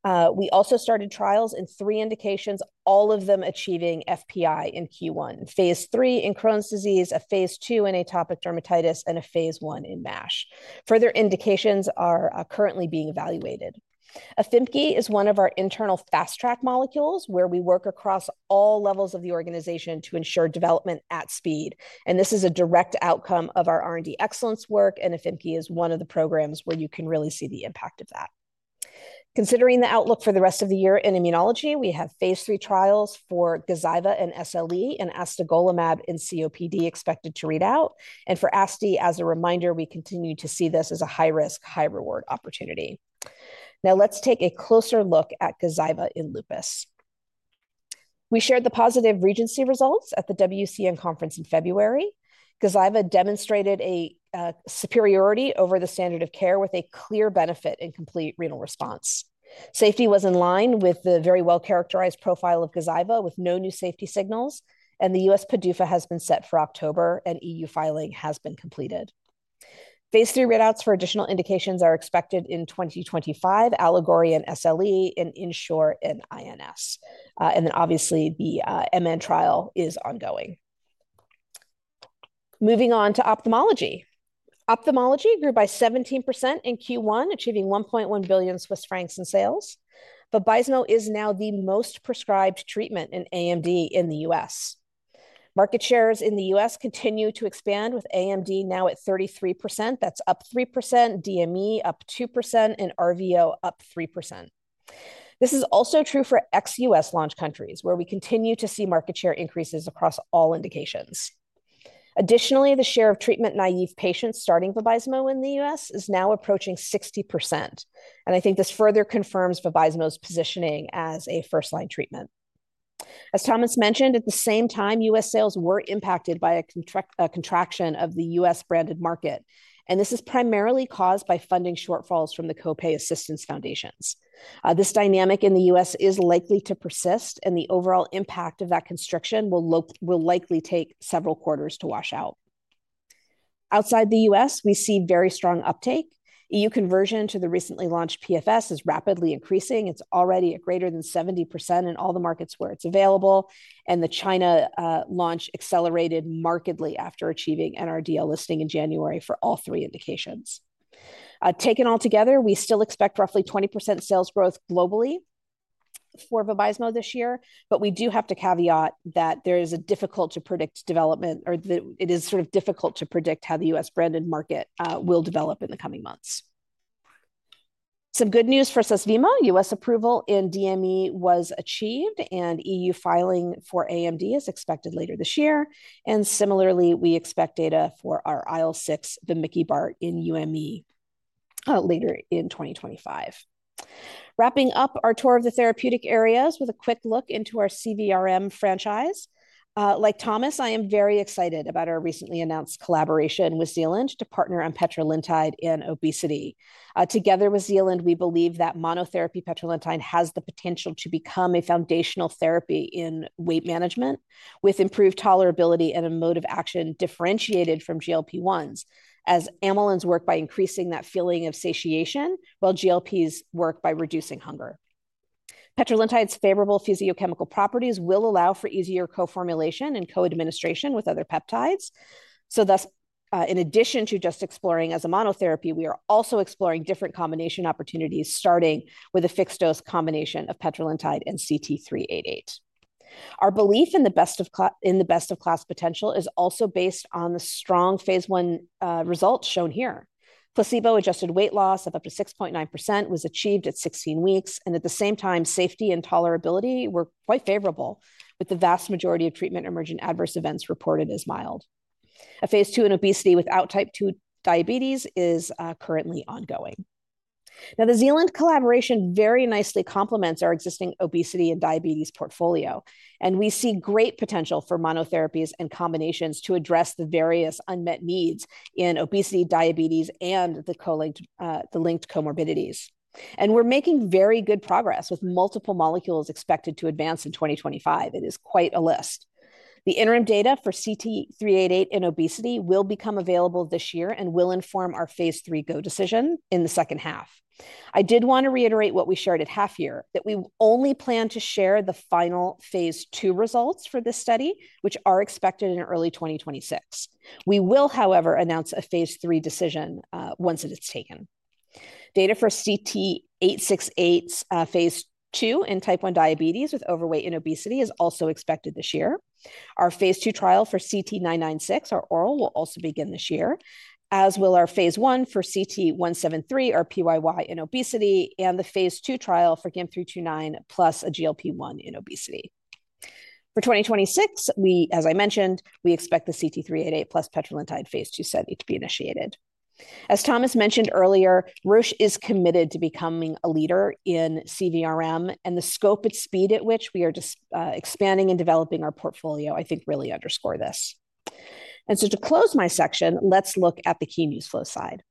Speaker 4: We also started trials in three indications, all of them achieving FPI in Q1, phase III in Crohn's disease, a phase II in atopic dermatitis, and a phase I in MASH. Further indications are currently being evaluated. Afimki is one of our internal fast-track molecules where we work across all levels of the organization to ensure development at speed. This is a direct outcome of our R&D excellence work, and afimki is one of the programs where you can really see the impact of that. Considering the outlook for the rest of the year in immunology, we have phase III trials for Gazvya in SLE, and astegolimab in COPD expected to read out. For astegolimab, as a reminder, we continue to see this as a high-risk, high-reward opportunity. Now let's take a closer look at Gazvya in lupus. We shared the positive REGENCY results at the WCN conference in February. Gazvya demonstrated a superiority over the standard of care with a clear benefit and complete renal response. Safety was in line with the very well-characterized profile of Gazvya with no new safety signals, and the U.S. PDUFA has been set for October, and EU filing has been completed. Phase III readouts for additional indications are expected in 2025, ALLEGORY in SLE, and INShore in INS. Obviously, the MN trial is ongoing. Moving on to ophthalmology. Ophthalmology grew by 17% in Q1, achieving 1.1 billion Swiss francs in sales. Vabysmo is now the most prescribed treatment in nAMD in the U.S. Market shares in the U.S. continue to expand with nAMD now at 33%. That's up 3%, DME up 2%, and RVO up 3%. This is also true for ex-U.S. launch countries where we continue to see market share increases across all indications. Additionally, the share of treatment naive patients starting for Vabysmo in the U.S. is now approaching 60%. I think this further confirms Vabysmo's positioning as a first-line treatment. As Thomas mentioned, at the same time, U.S. sales were impacted by a contraction of the U.S. branded market, and this is primarily caused by funding shortfalls from the Copay Assistance Foundations. This dynamic in the U.S. is likely to persist, and the overall impact of that constriction will likely take several quarters to wash out. Outside the U.S., we see very strong uptake. EU conversion to the recently launched PFS is rapidly increasing. It's already at greater than 70% in all the markets where it's available, and the China launch accelerated markedly after achieving NRDL listing in January for all three indications. Taken all together, we still expect roughly 20% sales growth globally for Vabysmo this year, but we do have to caveat that there is a difficult-to-predict development or that it is sort of difficult to predict how the U.S. branded market will develop in the coming months. Some good news for Susvimo. U.S. approval in DME was achieved, and EU filing for nAMD is expected later this year. Similarly, we expect data for our IL-6, vamikibart in UME, later in 2025. Wrapping up our tour of the therapeutic areas with a quick look into our CVRM franchise. Like Thomas, I am very excited about our recently announced collaboration with Zealand to partner on petrelintide in obesity. Together with Zealand, we believe that monotherapy petrelintide has the potential to become a foundational therapy in weight management with improved tolerability and a mode of action differentiated from GLP-1s, as amylin work by increasing that feeling of satiation, while GLPs work by reducing hunger. Petrelintide's favorable physiochemical properties will allow for easier co-formulation and co-administration with other peptides. Thus, in addition to just exploring as a monotherapy, we are also exploring different combination opportunities starting with a fixed dose combination of petrelintide and CT-388. Our belief in the best of class potential is also based on the strong phase I results shown here. Placebo-adjusted weight loss of up to 6.9% was achieved at 16 weeks, and at the same time, safety and tolerability were quite favorable, with the vast majority of treatment emergent adverse events reported as mild. A phase II in obesity without type 2 diabetes is currently ongoing. The Zealand collaboration very nicely complements our existing obesity and diabetes portfolio, and we see great potential for monotherapies and combinations to address the various unmet needs in obesity, diabetes, and the linked comorbidities. We are making very good progress with multiple molecules expected to advance in 2025. It is quite a list. The interim data for CT-388 in obesity will become available this year and will inform our phase III go decision in the second half. I did want to reiterate what we shared at half year, that we only plan to share the final phase II results for this study, which are expected in early 2026. We will, however, announce a phase III decision once it is taken. Data for CT-868 phase II in type 1 diabetes with overweight and obesity is also expected this year. Our phase II trial for CT-996, our oral, will also begin this year, as will our phase I for CT-173, our PYY in obesity, and the phase II trial for GYM 329 plus a GLP-1 in obesity. For 2026, as I mentioned, we expect the CT-388 plus petrelintide phase II study to be initiated. As Thomas mentioned earlier, Roche is committed to becoming a leader in CVRM, and the scope and speed at which we are expanding and developing our portfolio, I think really underscore this. To close my section, let's look at the key news flow side.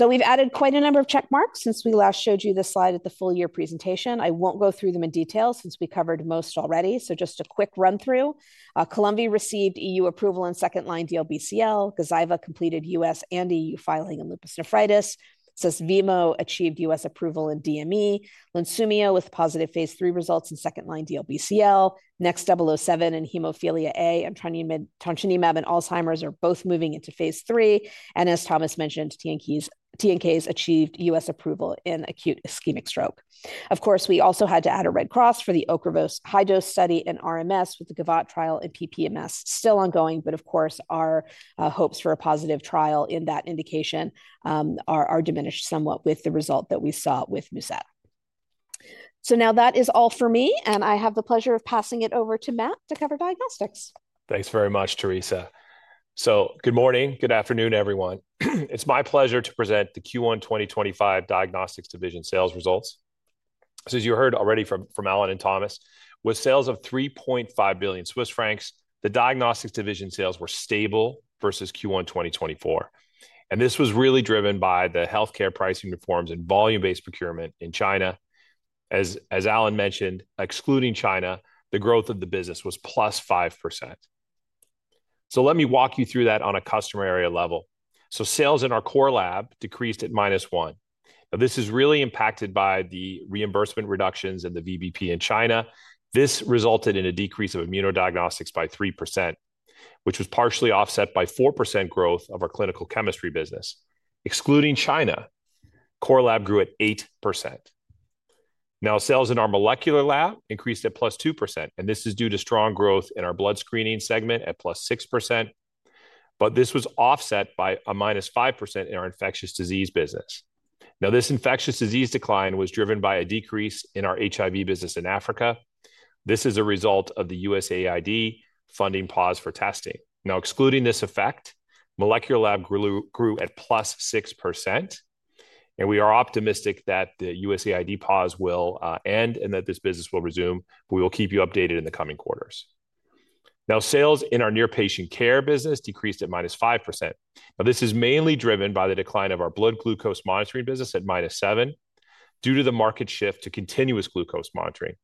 Speaker 4: We've added quite a number of checkmarks since we last showed you the slide at the full year presentation. I won't go through them in detail since we covered most already. Just a quick run-through. Columvi received EU approval in second-line DLBCL. Gazvya completed U.S. and EU filing in lupus nephritis. Susvimo achieved U.S. approval in DME. Lunsumio with positive phase III results in second-line DLBCL. NXT007 in hemophilia A and trontinemab in Alzheimer's are both moving into phase III. As Thomas mentioned, TNKase achieved U.S. approval in acute ischemic stroke. Of course, we also had to add a red cross for the Ocrevus high-dose study in RMS with the GAVOTTE trial in PPMS still ongoing, but of course, our hopes for a positive trial in that indication are diminished somewhat with the result that we saw with MUSETTE. That is all for me, and I have the pleasure of passing it over to Matt to cover diagnostics.
Speaker 5: Thanks very much, Teresa. Good morning, good afternoon, everyone. It's my pleasure to present the Q1 2025 Diagnostics Division sales results. As you heard already from Alan and Thomas, with sales of 3.5 billion Swiss francs, the Diagnostics Division sales were stable versus Q1 2024. This was really driven by the healthcare pricing reforms and volume-based procurement in China. As Alan mentioned, excluding China, the growth of the business was +5%. Let me walk you through that on a customer area level. Sales in our core lab decreased at -1%. This is really impacted by the reimbursement reductions and the VBP in China. This resulted in a decrease of immunodiagnostics by 3%, which was partially offset by 4% growth of our clinical chemistry business. Excluding China, core lab grew at 8%. Sales in our molecular lab increased at +2%, and this is due to strong growth in our blood screening segment at +6%, but this was offset by a -5% in our infectious disease business. This infectious disease decline was driven by a decrease in our HIV business in Africa. This is a result of the USAID funding pause for testing. Now, excluding this effect, molecular lab grew at +6%, and we are optimistic that the USAID pause will end and that this business will resume. We will keep you updated in the coming quarters. Now, sales in our near-patient care business decreased at minus 5%. This is mainly driven by the decline of our blood glucose monitoring business at minus 7% due to the market shift to continuous glucose monitoring.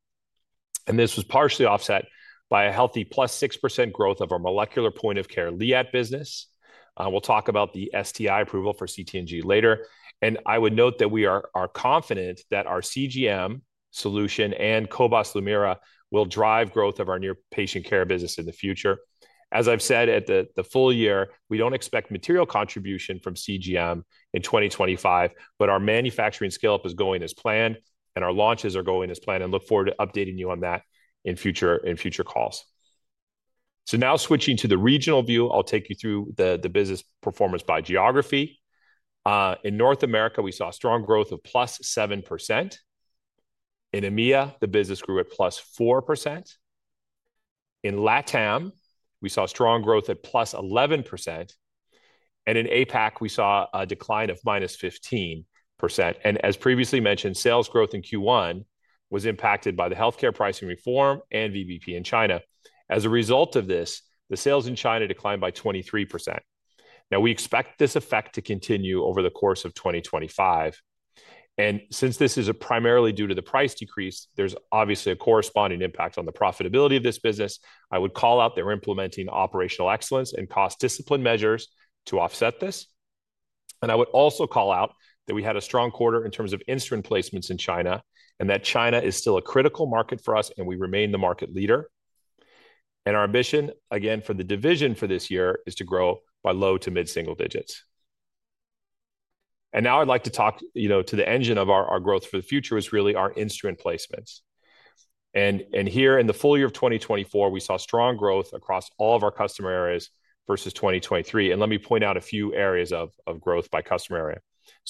Speaker 5: This was partially offset by a healthy +6% growth of our molecular point of care liat business. We'll talk about the STI approval for CT/NG later. I would note that we are confident that our CGM solution and cobas liat will drive growth of our near-patient care business in the future. As I've said at the full year, we don't expect material contribution from CGM in 2025, but our manufacturing scale-up is going as planned, and our launches are going as planned, and look forward to updating you on that in future calls. Now switching to the regional view, I'll take you through the business performance by geography. In North America, we saw strong growth of +7%. In EMEA, the business grew at +4%. In LATAM, we saw strong growth at +11%. In APAC, we saw a decline of -15%. As previously mentioned, sales growth in Q1 was impacted by the healthcare pricing reform and VBP in China. As a result of this, the sales in China declined by 23%. We expect this effect to continue over the course of 2025. Since this is primarily due to the price decrease, there is obviously a corresponding impact on the profitability of this business. I would call out that we are implementing operational excellence and cost discipline measures to offset this. I would also call out that we had a strong quarter in terms of instrument placements in China and that China is still a critical market for us and we remain the market leader. Our ambition, again, for the division for this year is to grow by low to mid-single digits. I would like to talk to the engine of our growth for the future, which is really our instrument placements. Here in the full year of 2024, we saw strong growth across all of our customer areas versus 2023. Let me point out a few areas of growth by customer area.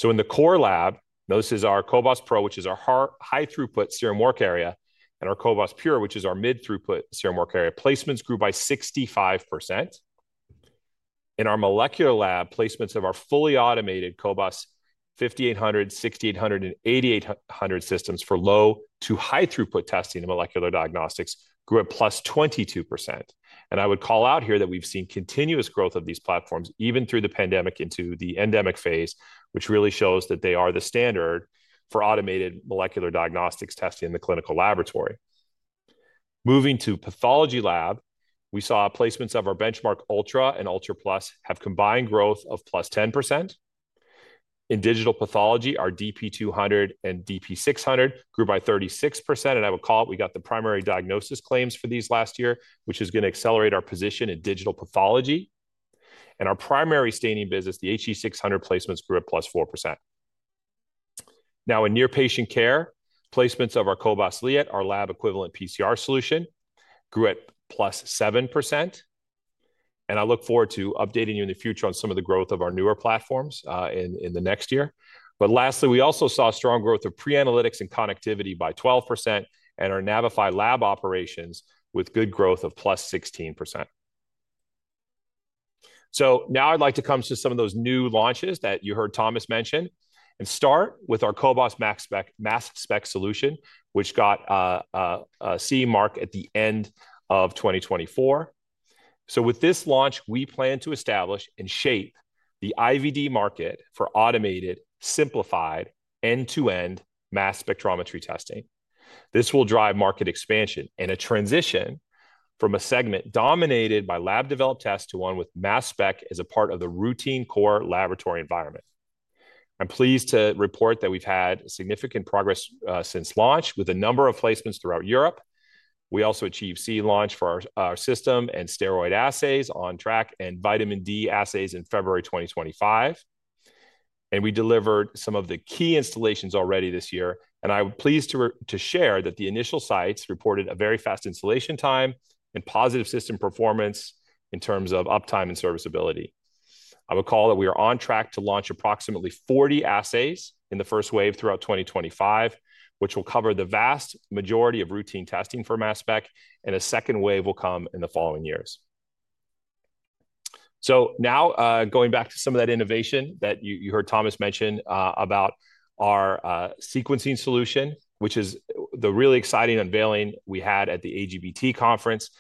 Speaker 5: In the core lab, notice is our cobas pro, which is our high-throughput serum work area, and our cobas pure, which is our mid-throughput serum work area. Placements grew by 65%. In our molecular lab, placements of our fully automated cobas 5800, 6800, and 8800 systems for low to high-throughput testing and molecular diagnostics grew at +22%. I would call out here that we've seen continuous growth of these platforms even through the pandemic into the endemic phase, which really shows that they are the standard for automated molecular diagnostics testing in the clinical laboratory. Moving to pathology lab, we saw placements of our Benchmark ULTRA and ULTRAPLUS have combined growth of +10%. In digital pathology, our DP200 and DP600 grew by 36%. I would call it we got the primary diagnosis claims for these last year, which is going to accelerate our position in digital pathology. Our primary staining business, the HE600 placements, grew at 4%. In near-patient care, placements of our cobas liat, our lab equivalent PCR solution, grew at 7%. I look forward to updating you in the future on some of the growth of our newer platforms in the next year. Lastly, we also saw strong growth of pre-analytics and connectivity by 12% and our Navify lab operations with good growth of 16%. Now I'd like to come to some of those new launches that you heard Thomas mention and start with our cobas mass spec solution, which got a CE mark at the end of 2024. With this launch, we plan to establish and shape the IVD market for automated, simplified, end-to-end mass spectrometry testing. This will drive market expansion and a transition from a segment dominated by lab-developed tests to one with mass spec as a part of the routine core laboratory environment. I'm pleased to report that we've had significant progress since launch with a number of placements throughout Europe. We also achieved CE launch for our system and steroid assays on track and vitamin D assays in February 2025. We delivered some of the key installations already this year. I'm pleased to share that the initial sites reported a very fast installation time and positive system performance in terms of uptime and serviceability. I would call that we are on track to launch approximately 40 assays in the first wave throughout 2025, which will cover the vast majority of routine testing for mass spec, and a second wave will come in the following years. Now going back to some of that innovation that you heard Thomas mention about our sequencing solution, which is the really exciting unveiling we had at the AGBT conference.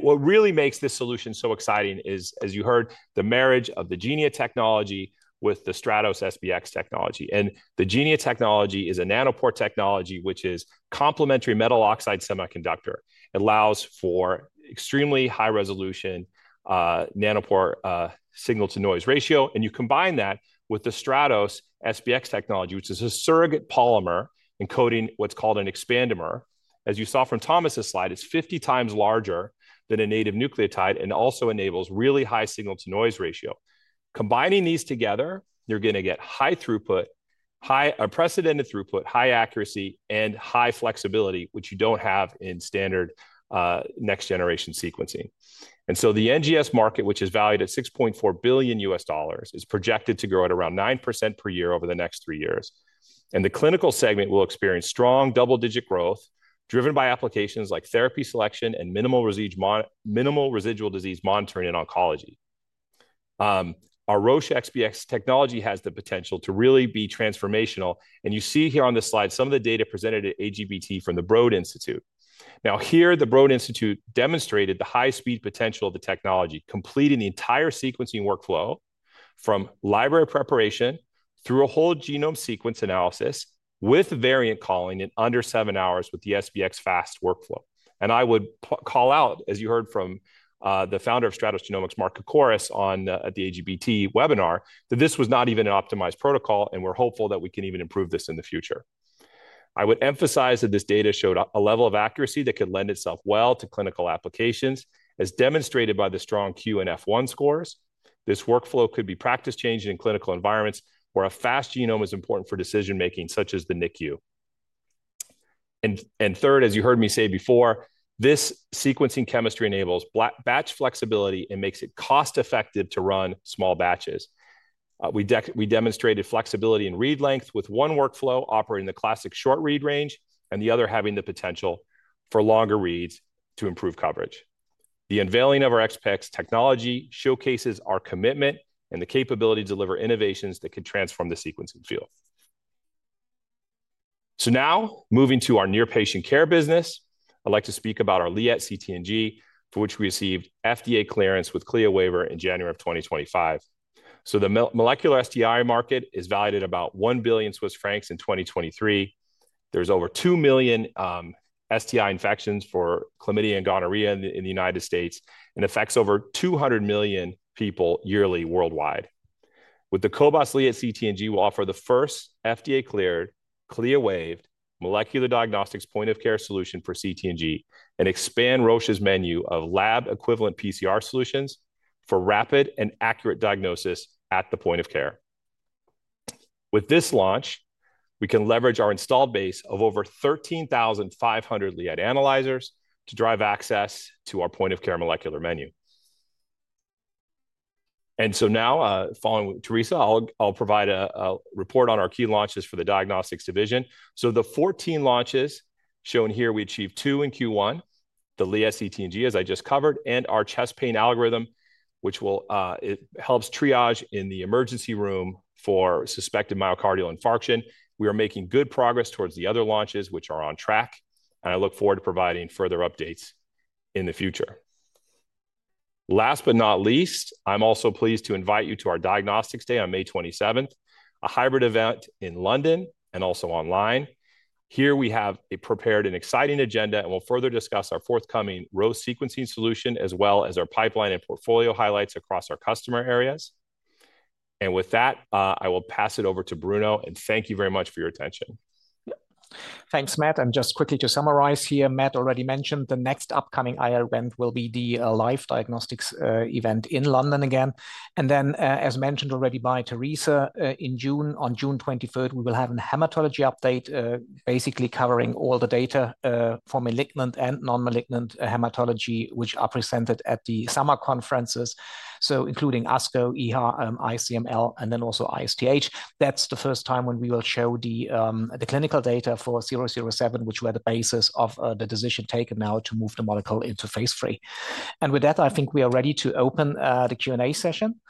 Speaker 5: What really makes this solution so exciting is, as you heard, the marriage of the Genia technology with the Stratos SBX technology. The Genia technology is a nanopore technology, which is complementary metal oxide semiconductor. It allows for extremely high-resolution nanopore signal-to-noise ratio. You combine that with the Stratos SBX technology, which is a surrogate polymer encoding what's called an expandermer. As you saw from Thomas's slide, it's 50x larger than a native nucleotide and also enables really high signal-to-noise ratio. Combining these together, you're going to get high throughput, high unprecedented throughput, high accuracy, and high flexibility, which you don't have in standard next-generation sequencing. The NGS market, which is valued at $6.4 billion, is projected to grow at around 9% per year over the next three years. The clinical segment will experience strong double-digit growth driven by applications like therapy selection and minimal residual disease monitoring in oncology. Our Roche SBX technology has the potential to really be transformational. You see here on this slide some of the data presented at AGBT from the Broad Institute. Now here, the Broad Institute demonstrated the high-speed potential of the technology, completing the entire sequencing workflow from library preparation through a whole genome sequence analysis with variant calling in under seven hours with the SBX fast workflow. I would call out, as you heard from the founder of Stratos Genomics, Mark Kokoris, at the AGBT webinar, that this was not even an optimized protocol, and we're hopeful that we can even improve this in the future. I would emphasize that this data showed a level of accuracy that could lend itself well to clinical applications, as demonstrated by the strong Q and F1 scores. This workflow could be practice-changing in clinical environments where a fast genome is important for decision-making, such as the NICU. As you heard me say before, this sequencing chemistry enables batch flexibility and makes it cost-effective to run small batches. We demonstrated flexibility in read length with one workflow operating the classic short read range and the other having the potential for longer reads to improve coverage. The unveiling of our XPEX technology showcases our commitment and the capability to deliver innovations that could transform the sequencing field. Now moving to our near-patient care business, I'd like to speak about our cobas liat CT/NG, for which we received FDA clearance with CLIA waiver in January of 2025. The molecular STI market is valued at about 1 billion Swiss francs in 2023. There are over 2 million STI infections for chlamydia and gonorrhea in the United States and it affects over 200 million people yearly worldwide. With the cobas liat CT/NG, we'll offer the first FDA-cleared, CLIA-waived molecular diagnostics point of care solution for CT/NG and expand Roche's menu of lab-equivalent PCR solutions for rapid and accurate diagnosis at the point of care. With this launch, we can leverage our installed base of over 13,500 liat analyzers to drive access to our point of care molecular menu. Now, following Teresa, I'll provide a report on our key launches for the Diagnostics Division. The 14 launches shown here, we achieved two in Q1, the liat CT/NG, as I just covered, and our chest pain algorithm, which helps triage in the emergency room for suspected myocardial infarction. We are making good progress towards the other launches, which are on track, and I look forward to providing further updates in the future. Last but not least, I'm also pleased to invite you to our Diagnostics Day on May 27th, a hybrid event in London and also online. Here we have a prepared and exciting agenda, and we will further discuss our forthcoming Roche Sequencing Solution, as well as our pipeline and portfolio highlights across our customer areas. With that, I will pass it over to Bruno, and thank you very much for your attention.
Speaker 6: Thanks, Matt. Just quickly to summarize here, Matt already mentioned the next upcoming IR event will be the live diagnostics event in London again. As mentioned already by Teresa, on June 23, we will have a hematology update basically covering all the data for malignant and non-malignant hematology, which are presented at the summer conferences, including ASCO, EHA and ICML, and also ISTH. That's the first time when we will show the clinical data for 007, which were the basis of the decision taken now to move the molecule into phase III. With that, I think we are ready to open the Q&A session.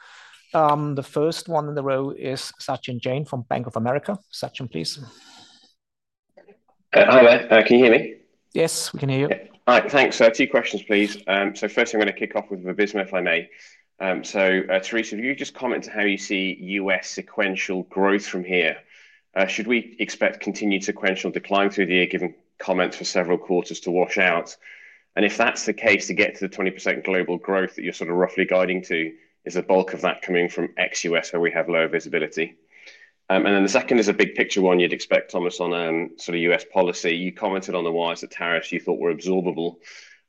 Speaker 6: The first one in the row is Sachin Jain from Bank of America. Sachin, please.
Speaker 7: Hi, Matt. Can you hear me?
Speaker 6: Yes, we can hear you.
Speaker 7: All right, thanks. Two questions, please. First, I'm going to kick off with Vabysmo, if I may. Teresa, if you could just comment to how you see U.S. sequential growth from here. Should we expect continued sequential decline through the year, given comments for several quarters to wash out? If that is the case, to get to the 20% global growth that you are sort of roughly guiding to, is the bulk of that coming from ex-U.S., where we have low visibility? The second is a big picture one you would expect, Thomas, on sort of U.S. policy. You commented on the wires that tariffs you thought were absorbable.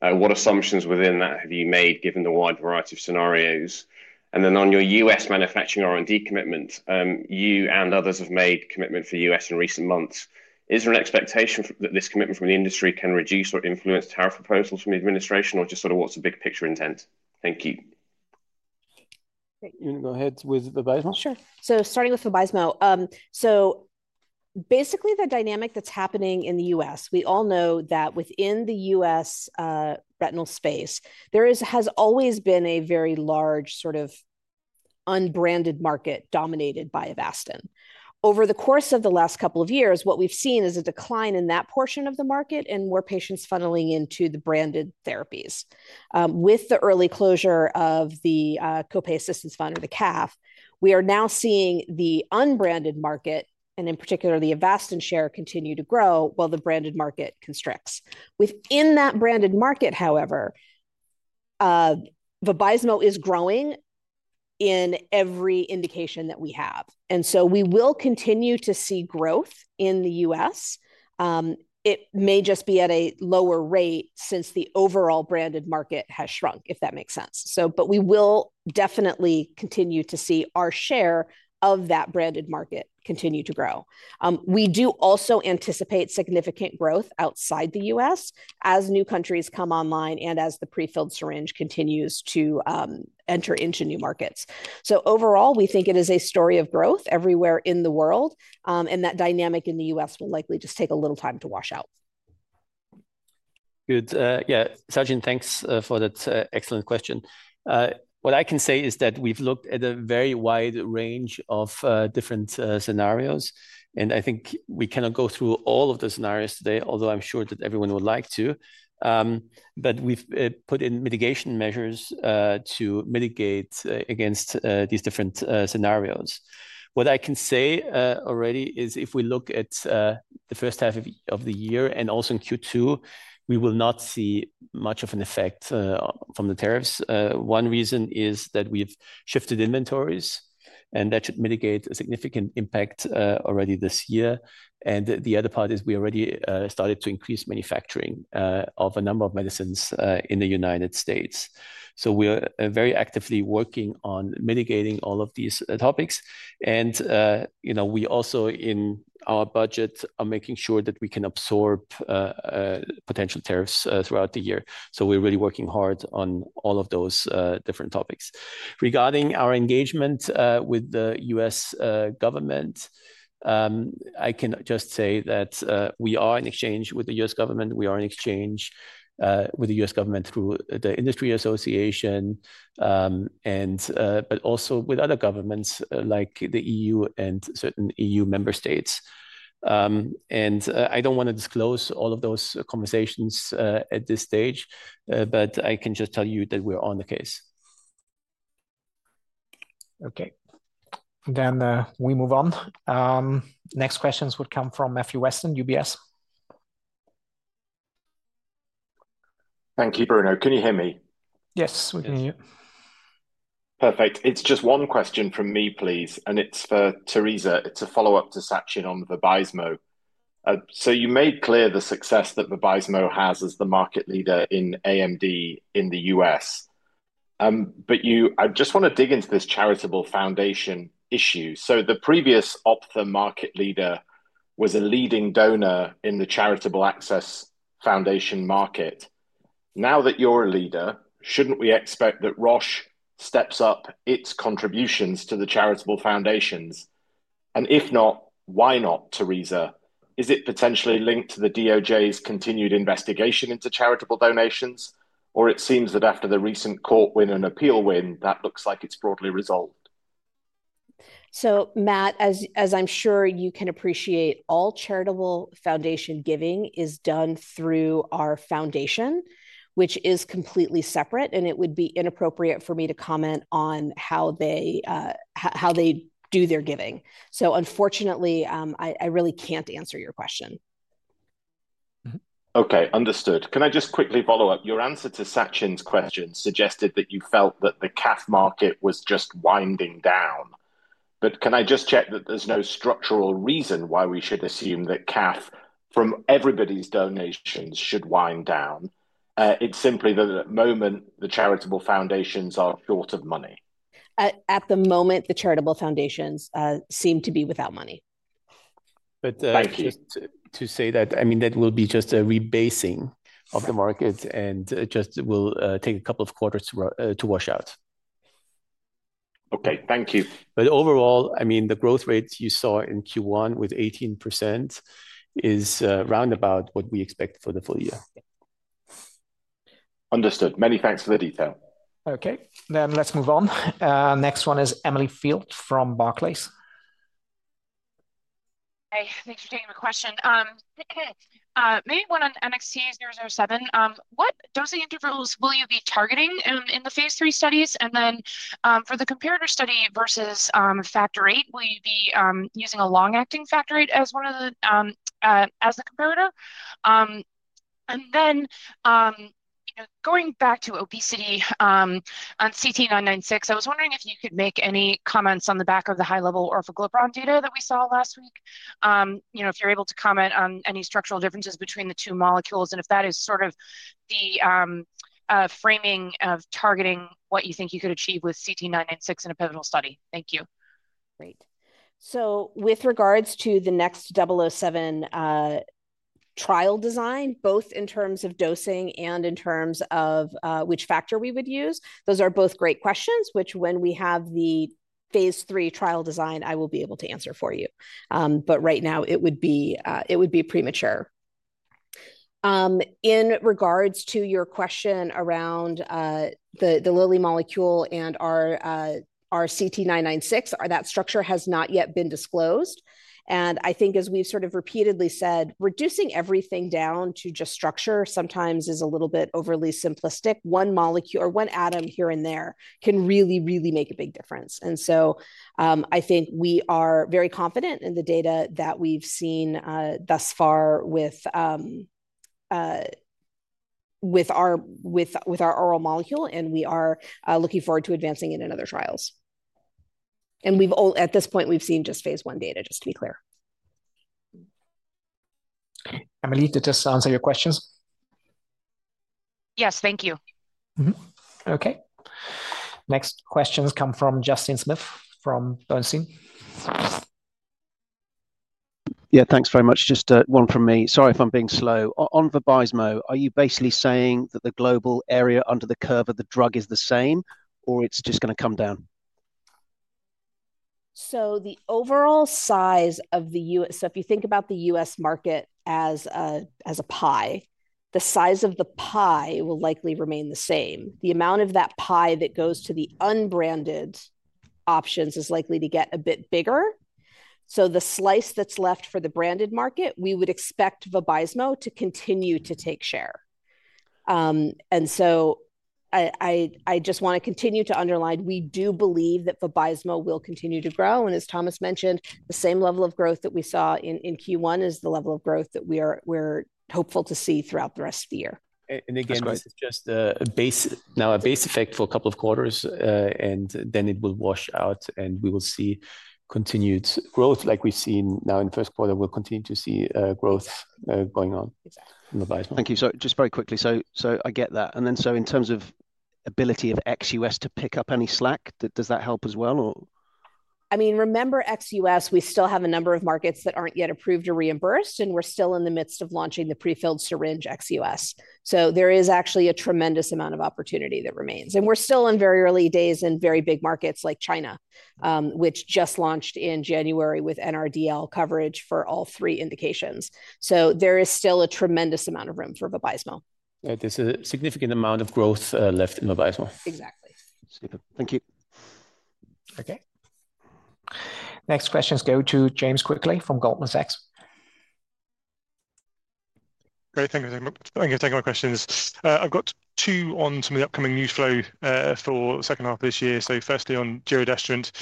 Speaker 7: What assumptions within that have you made, given the wide variety of scenarios? On your U.S. manufacturing R&D commitments, you and others have made commitment for U.S. in recent months. Is there an expectation that this commitment from the industry can reduce or influence tariff proposals from the administration, or just what is the big picture intent? Thank you.
Speaker 2: You want to go ahead with Vabysmo?
Speaker 4: Sure. Starting with Vabysmo, basically the dynamic that is happening in the U.S., we all know that within the U.S. retinal space, there has always been a very large sort of unbranded market dominated by Avastin. Over the course of the last couple of years, what we've seen is a decline in that portion of the market and more patients funneling into the branded therapies. With the early closure of the Copay Assistance Fund, or the CAF, we are now seeing the unbranded market, and in particular, the Avastin share continue to grow while the branded market constricts. Within that branded market, however, Vabysmo is growing in every indication that we have. We will continue to see growth in the U.S. It may just be at a lower rate since the overall branded market has shrunk, if that makes sense. We will definitely continue to see our share of that branded market continue to grow. We do also anticipate significant growth outside the U.S. As new countries come online and as the prefilled syringe continues to enter into new markets. Overall, we think it is a story of growth everywhere in the world, and that dynamic in the U.S. will likely just take a little time to wash out.
Speaker 2: Good. Yeah, Sachin, thanks for that excellent question. What I can say is that we've looked at a very wide range of different scenarios, and I think we cannot go through all of the scenarios today, although I'm sure that everyone would like to. We've put in mitigation measures to mitigate against these different scenarios. What I can say already is if we look at the first half of the year and also in Q2, we will not see much of an effect from the tariffs. One reason is that we've shifted inventories, and that should mitigate a significant impact already this year. The other part is we already started to increase manufacturing of a number of medicines in the United States. We are very actively working on mitigating all of these topics. We also in our budget are making sure that we can absorb potential tariffs throughout the year. We are really working hard on all of those different topics. Regarding our engagement with the U.S. government, I can just say that we are in exchange with the U.S. government. We are in exchange with the U.S. government through the Industry Association, but also with other governments like the EU and certain EU member states. I do not want to disclose all of those conversations at this stage, but I can just tell you that we are on the case.
Speaker 6: Okay. We move on. Next questions would come from Matthew Weston, UBS.
Speaker 8: Thank you, Bruno. Can you hear me?
Speaker 6: Yes, we can hear you.
Speaker 8: Perfect. It's just one question from me, please, and it's for Teresa. It's a follow-up to Sachin on Vabysmo. You made clear the success that Vabysmo has as the market leader in nAMD in the U.S. I just want to dig into this charitable foundation issue. The previous ophthalmology market leader was a leading donor in the charitable access foundation market. Now that you're a leader, shouldn't we expect that Roche steps up its contributions to the charitable foundations? If not, why not, Teresa? Is it potentially linked to the DOJ's continued investigation into charitable donations? It seems that after the recent court win and appeal win, that looks like it's broadly resolved.
Speaker 4: Matt, as I'm sure you can appreciate, all charitable foundation giving is done through our foundation, which is completely separate, and it would be inappropriate for me to comment on how they do their giving. Unfortunately, I really can't answer your question.
Speaker 8: Okay, understood. Can I just quickly follow up? Your answer to Sachin's question suggested that you felt that the CAF market was just winding down. Can I just check that there's no structural reason why we should assume that CAF from everybody's donations should wind down? It's simply that at the moment, the charitable foundations are short of money.
Speaker 4: At the moment, the charitable foundations seem to be without money.
Speaker 8: Thank you.
Speaker 2: To say that, I mean, that will be just a rebasing of the market and just will take a couple of quarters to wash out.
Speaker 8: Okay, thank you.
Speaker 2: Overall, I mean, the growth rate you saw in Q1 with 18% is round about what we expect for the full year.
Speaker 8: Understood. Many thanks for the detail.
Speaker 6: Okay, then let's move on. Next one is Emily Field from Barclays.
Speaker 9: Hi, thanks for taking my question. Maybe one on NXT007. What dosing intervals will you be targeting in the phase III studies? For the comparator study versus Factor VIII, will you be using a long-acting Factor VIII as one of the comparator? Going back to obesity on CT-996, I was wondering if you could make any comments on the back of the high-level Orforglipron data that we saw last week. If you're able to comment on any structural differences between the two molecules and if that is sort of the framing of targeting what you think you could achieve with CT-996 in a pivotal study. Thank you.
Speaker 4: Great. With regards to the NXT007 trial design, both in terms of dosing and in terms of which factor we would use, those are both great questions, which when we have the phase III trial design, I will be able to answer for you. Right now, it would be premature. In regards to your question around the Lilly molecule and our CT-996, that structure has not yet been disclosed. I think as we've sort of repeatedly said, reducing everything down to just structure sometimes is a little bit overly simplistic. One molecule or one atom here and there can really, really make a big difference. I think we are very confident in the data that we've seen thus far with our oral molecule, and we are looking forward to advancing it in other trials. At this point, we've seen just phase I data, just to be clear.
Speaker 6: Emily, did this answer your questions?
Speaker 9: Yes, thank you.
Speaker 6: Okay. Next questions come from Justin Smith from Bernstein.
Speaker 10: Yeah, thanks very much. Just one from me. Sorry if I'm being slow. On Vabysmo, are you basically saying that the global area under the curve of the drug is the same, or it's just going to come down?
Speaker 4: The overall size of the U.S. If you think about the U.S. market as a pie, the size of the pie will likely remain the same. The amount of that pie that goes to the unbranded options is likely to get a bit bigger. The slice that's left for the branded market, we would expect Vabysmo to continue to take share. I just want to continue to underline, we do believe that Vabysmo will continue to grow. As Thomas mentioned, the same level of growth that we saw in Q1 is the level of growth that we're hopeful to see throughout the rest of the year.
Speaker 2: This is just now a base effect for a couple of quarters, and then it will wash out, and we will see continued growth like we've seen now in first quarter. We'll continue to see growth going on.
Speaker 10: Thank you. Just very quickly, I get that. In terms of ability of ex-U.S. to pick up any slack, does that help as well?
Speaker 4: I mean, remember ex-U.S., we still have a number of markets that aren't yet approved or reimbursed, and we're still in the midst of launching the prefilled syringe ex-U.S. There is actually a tremendous amount of opportunity that remains. We're still in very early days in very big markets like China, which just launched in January with NRDL coverage for all three indications. There is still a tremendous amount of room for Vabysmo.
Speaker 2: There's a significant amount of growth left in Vabysmo.
Speaker 4: Exactly.
Speaker 10: Thank you.
Speaker 6: Okay. Next questions go to James Quigley from Goldman Sachs.
Speaker 11: Great. Thank you for taking my questions. I've got two on some of the upcoming news flow for the second half of this year. Firstly on giredestrant.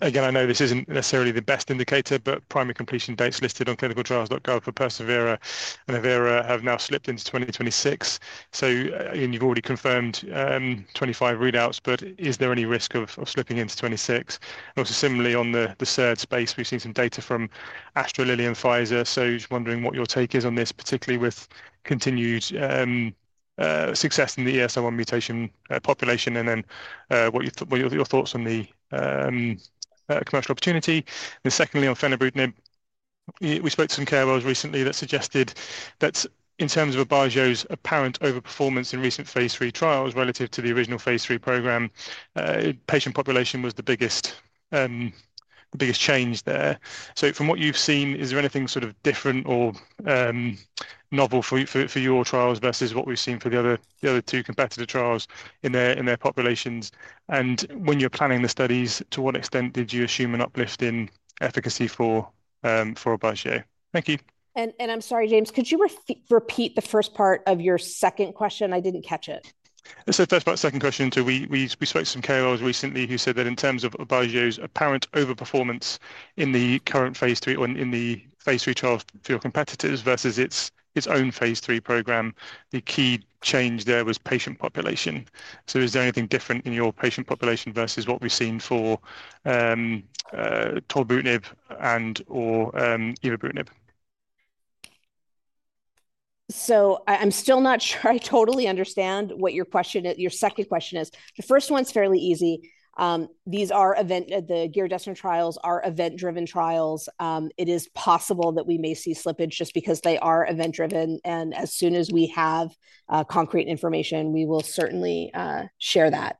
Speaker 11: Again, I know this isn't necessarily the best indicator, but primary completion dates listed on clinicaltrials.gov for persevERA and evERA have now slipped into 2026. You have already confirmed 25 readouts, but is there any risk of slipping into 2026? Similarly, on the SERD space, we've seen some data from Astra, Lilly, and Pfizer. Just wondering what your take is on this, particularly with continued success in the ESR1 mutation population and then what your thoughts are on the commercial opportunity. Secondly, on fenebrutinib, we spoke to some KOLs recently that suggested that in terms of Aubagio's apparent overperformance in recent phase III trials relative to the original phase III program, patient population was the biggest change there. From what you've seen, is there anything sort of different or novel for your trials versus what we've seen for the other two competitor trials in their populations? When you're planning the studies, to what extent did you assume an uplift in efficacy for Aubagio? Thank you.
Speaker 4: I'm sorry, James, could you repeat the first part of your second question? I didn't catch it.
Speaker 11: First part, second question. We spoke to some KOLs recently who said that in terms of Aubagio's apparent overperformance in the current phase III or in the phase III trials for your competitors versus its own phase III program, the key change there was patient population. Is there anything different in your patient population versus what we've seen for tolebrutinib and/or evobrutinib?
Speaker 4: I'm still not sure I totally understand what your second question is. The first one's fairly easy. The giredesinant trials are event-driven trials. It is possible that we may see slippage just because they are event-driven. As soon as we have concrete information, we will certainly share that.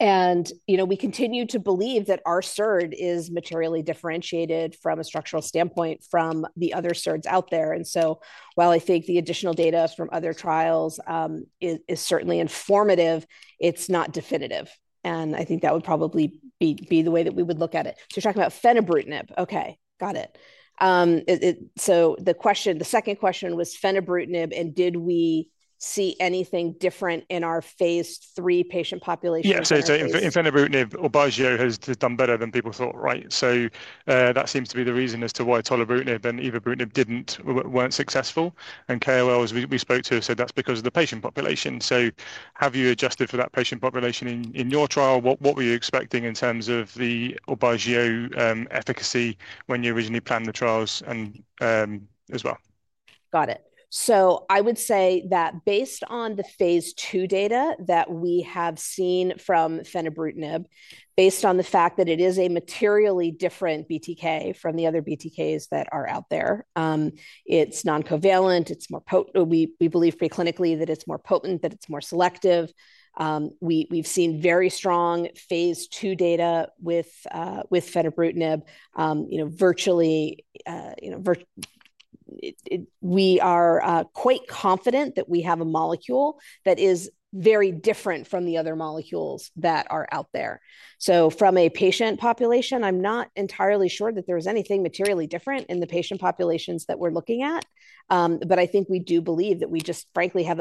Speaker 4: We continue to believe that our SERD is materially differentiated from a structural standpoint from the other SERDs out there. While I think the additional data from other trials is certainly informative, it is not definitive. I think that would probably be the way that we would look at it. You are talking about fenebrutinib. Okay, got it. The second question was fenebrutinib, and did we see anything different in our phase III patient population?
Speaker 11: In fenebrutinib, Aubagio has done better than people thought, right? That seems to be the reason as to why tolebrutinib and evobrutinib were not successful. KOLs we spoke to have said that is because of the patient population. Have you adjusted for that patient population in your trial? What were you expecting in terms of the Aubagio efficacy when you originally planned the trials as well?
Speaker 4: Got it. I would say that based on the phase II data that we have seen from fenebrutinib, based on the fact that it is a materially different BTK from the other BTKs that are out there, it's non-covalent. We believe preclinically that it's more potent, that it's more selective. We've seen very strong phase II data with fenebrutinib. We are quite confident that we have a molecule that is very different from the other molecules that are out there. From a patient population, I'm not entirely sure that there is anything materially different in the patient populations that we're looking at. I think we do believe that we just frankly have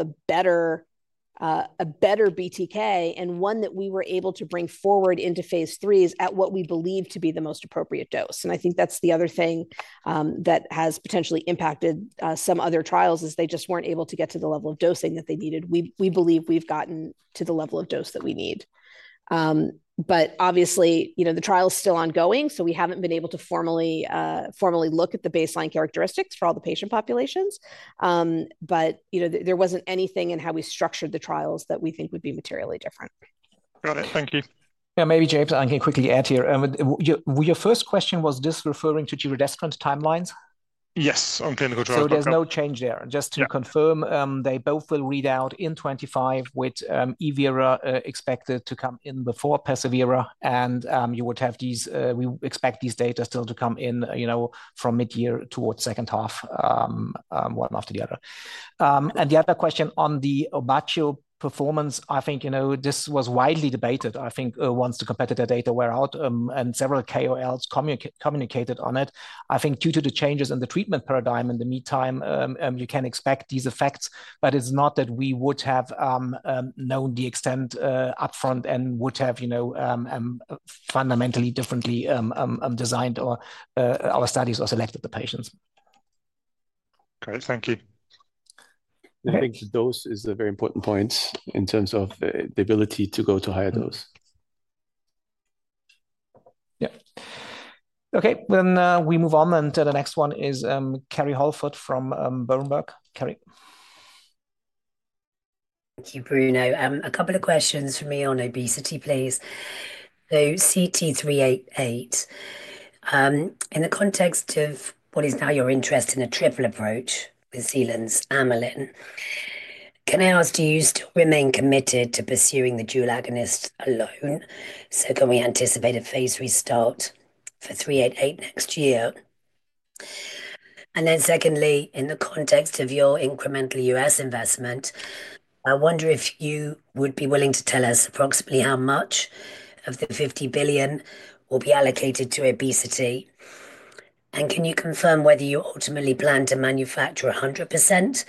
Speaker 4: a better BTK and one that we were able to bring forward into phase III is at what we believe to be the most appropriate dose. I think that's the other thing that has potentially impacted some other trials is they just weren't able to get to the level of dosing that they needed. We believe we've gotten to the level of dose that we need. Obviously, the trial is still ongoing, so we haven't been able to formally look at the baseline characteristics for all the patient populations. There wasn't anything in how we structured the trials that we think would be materially different.
Speaker 11: Got it. Thank you.
Speaker 2: Yeah, maybe James, I can quickly add here. Your first question was this referring to giredestrant timelines?
Speaker 11: Yes, on clinical trials.
Speaker 2: There's no change there. Just to confirm, they both will read out in 2025 with evERA expected to come in before persevERA. You would have these, we expect these data still to come in from mid-year towards second half, one after the other. The other question on the Aubagio performance, I think this was widely debated. I think once the competitor data were out and several KOLs communicated on it, I think due to the changes in the treatment paradigm in the meantime, you can expect these effects. It is not that we would have known the extent upfront and would have fundamentally differently designed our studies or selected the patients.
Speaker 11: Great. Thank you.
Speaker 5: I think the dose is a very important point in terms of the ability to go to higher dose.
Speaker 6: Yeah. Okay, we move on. The next one is Kerry Holford from Berenberg. Kerry.
Speaker 12: Thank you, Bruno. A couple of questions for me on obesity, please. CT-388. In the context of what is now your interest in a triple approach with Zealand's amylin, can I ask do you still remain committed to pursuing the dual agonist alone? Can we anticipate a phase III start for CT-388 next year? In the context of your incremental U.S. investment, I wonder if you would be willing to tell us approximately how much of the 50 billion will be allocated to obesity? Can you confirm whether you ultimately plan to manufacture 100%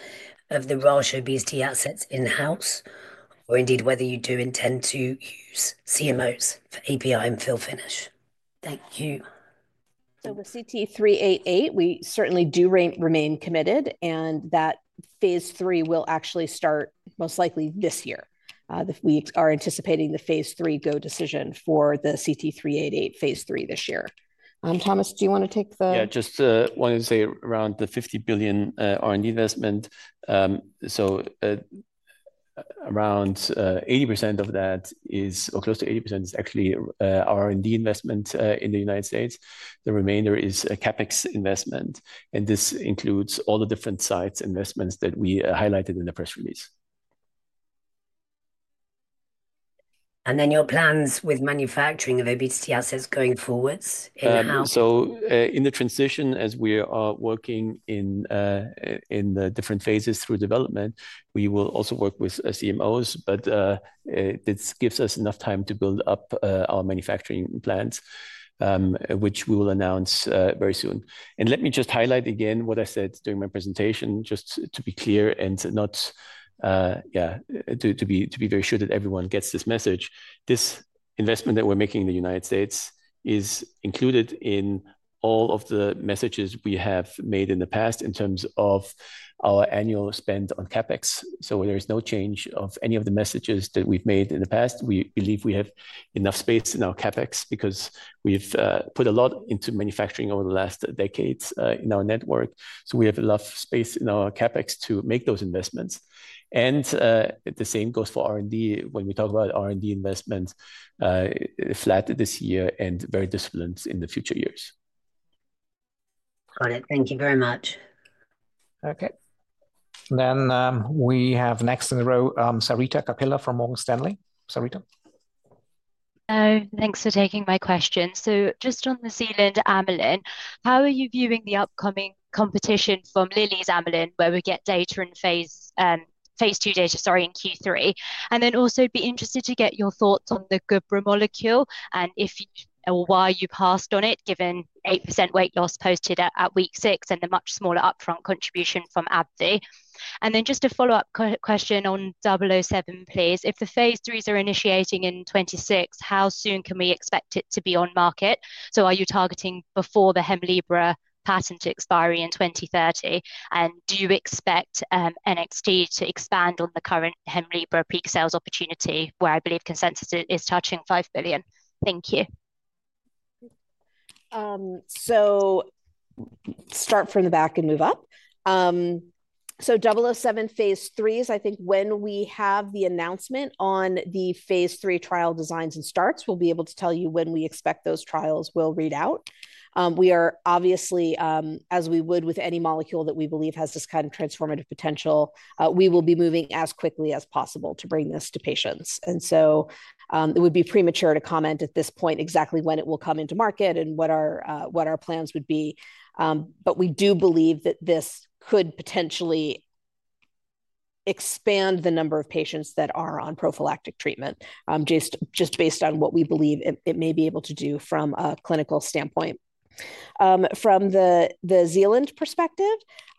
Speaker 12: of the Roche obesity assets in-house or indeed whether you do intend to use CMOs for API and fill finish? Thank you.
Speaker 4: With CT-388, we certainly do remain committed, and that phase III will actually start most likely this year. We are anticipating the phase III go decision for the CT-388 phase III this year. Thomas, do you want to take the?
Speaker 2: Yeah, just wanted to say around the 50 billion R&D investment, so around 80% of that is or close to 80% is actually R&D investment in the United States. The remainder is CapEx investment. This includes all the different sites investments that we highlighted in the press release.
Speaker 12: Your plans with manufacturing of obesity assets going forwards in-house?
Speaker 2: In the transition, as we are working in the different phases through development, we will also work with CMOs, but this gives us enough time to build up our manufacturing plans, which we will announce very soon. Let me just highlight again what I said during my presentation, just to be clear and to be very sure that everyone gets this message. This investment that we're making in the United States is included in all of the messages we have made in the past in terms of our annual spend on CapEx. There is no change of any of the messages that we've made in the past. We believe we have enough space in our CapEx because we've put a lot into manufacturing over the last decades in our network. We have a lot of space in our CapEx to make those investments. The same goes for R&D. When we talk about R&D investment, flat this year and very disciplined in the future years.
Speaker 12: Got it. Thank you very much.
Speaker 6: Okay. We have next in the row, Sarita Kapila from Morgan Stanley. Sarita?
Speaker 13: Thanks for taking my question. Just on the Zealand amylin, how are you viewing the upcoming competition from Lilly's amylin where we get phase II data, sorry, in Q3? I would also be interested to get your thoughts on the Hemlibra molecule and if you or why you passed on it given 8% weight loss posted at week six and the much smaller upfront contribution from AbbVie. A follow-up question on 007, please. If the phase IIIs are initiating in 2026, how soon can we expect it to be on market? Are you targeting before the Hemlibra patent expiry in 2030? Do you expect NXT to expand on the current Hemlibra peak sales opportunity where I believe consensus is touching 5 billion? Thank you.
Speaker 4: Start from the back and move up. 007 phase III is I think when we have the announcement on the phase III trial designs and starts, we'll be able to tell you when we expect those trials will read out. We are obviously, as we would with any molecule that we believe has this kind of transformative potential, we will be moving as quickly as possible to bring this to patients. It would be premature to comment at this point exactly when it will come into market and what our plans would be. We do believe that this could potentially expand the number of patients that are on prophylactic treatment just based on what we believe it may be able to do from a clinical standpoint. From the Zealand perspective,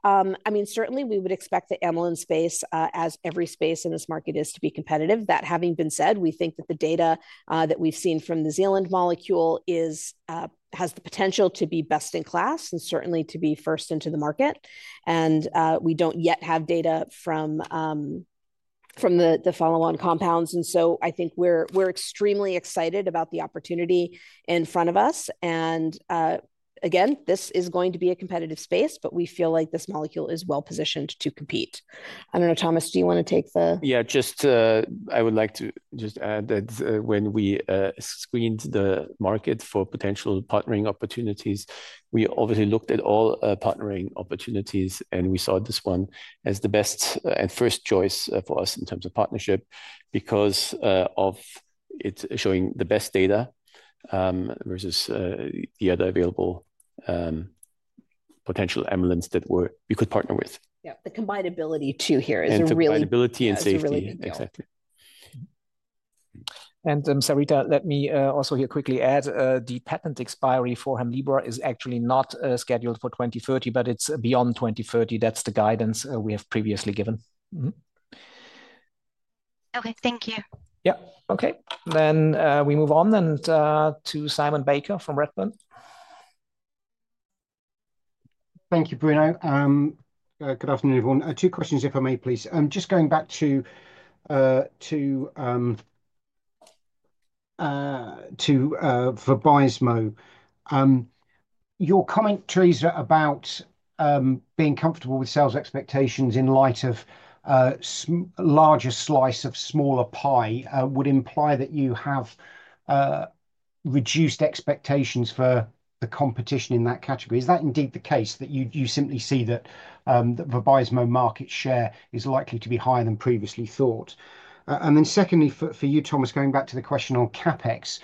Speaker 4: I mean, certainly we would expect the amylin space, as every space in this market is, to be competitive. That having been said, we think that the data that we've seen from the Zealand molecule has the potential to be best in class and certainly to be first into the market. We don't yet have data from the follow-on compounds. I think we're extremely excited about the opportunity in front of us. This is going to be a competitive space, but we feel like this molecule is well positioned to compete. I don't know, Thomas, do you want to take the?
Speaker 2: Yeah, I would like to just add that when we screened the market for potential partnering opportunities, we obviously looked at all partnering opportunities, and we saw this one as the best and first choice for us in terms of partnership because of it showing the best data versus the other available potential amylin that we could partner with.
Speaker 4: Yeah, the combinability too here is really important.
Speaker 2: The combinability and safety. Exactly.
Speaker 5: Sarita, let me also here quickly add the patent expiry for Hemlibra is actually not scheduled for 2030, but it is beyond 2030. That is the guidance we have previously given.
Speaker 13: Okay, thank you.
Speaker 6: Yeah, okay. We move on then to Simon Baker from Redburn.
Speaker 14: Thank you, Bruno. Good afternoon, everyone. Two questions, if I may, please. Just going back to Vabysmo, your commentaries about being comfortable with sales expectations in light of a larger slice of a smaller pie would imply that you have reduced expectations for the competition in that category. Is that indeed the case that you simply see that Vabysmo market share is likely to be higher than previously thought? Secondly, for you, Thomas, going back to the question on CapEx,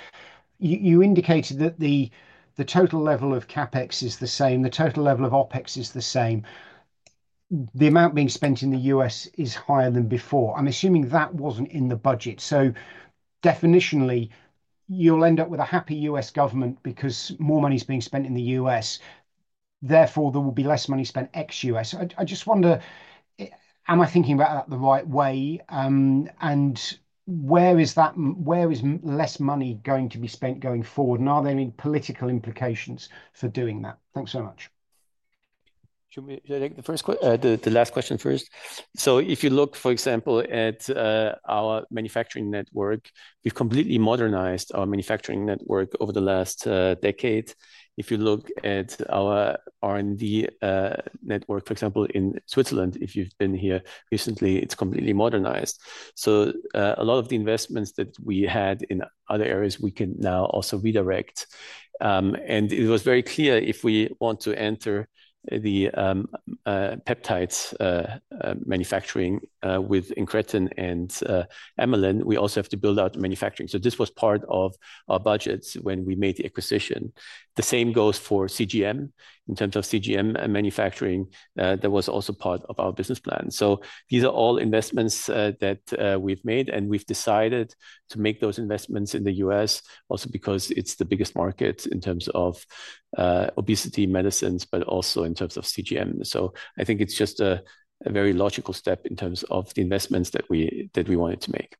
Speaker 14: you indicated that the total level of CapEx is the same, the total level of OpEx is the same. The amount being spent in the U.S. is higher than before. I'm assuming that was not in the budget. Definitionally, you will end up with a happy U.S. government because more money is being spent in the U.S. Therefore, there will be less money spent ex-U.S. I just wonder, am I thinking about that the right way? Where is less money going to be spent going forward? Are there any political implications for doing that? Thanks so much.
Speaker 2: Should we take the last question first? If you look, for example, at our manufacturing network, we have completely modernized our manufacturing network over the last decade. If you look at our R&D network, for example, in Switzerland, if you've been here recently, it's completely modernized. A lot of the investments that we had in other areas, we can now also redirect. It was very clear if we want to enter the peptide manufacturing with incretin and amylin, we also have to build out manufacturing. This was part of our budgets when we made the acquisition. The same goes for CGM. In terms of CGM manufacturing, that was also part of our business plan. These are all investments that we've made, and we've decided to make those investments in the U.S. also because it's the biggest market in terms of obesity medicines, but also in terms of CGM. I think it's just a very logical step in terms of the investments that we wanted to make.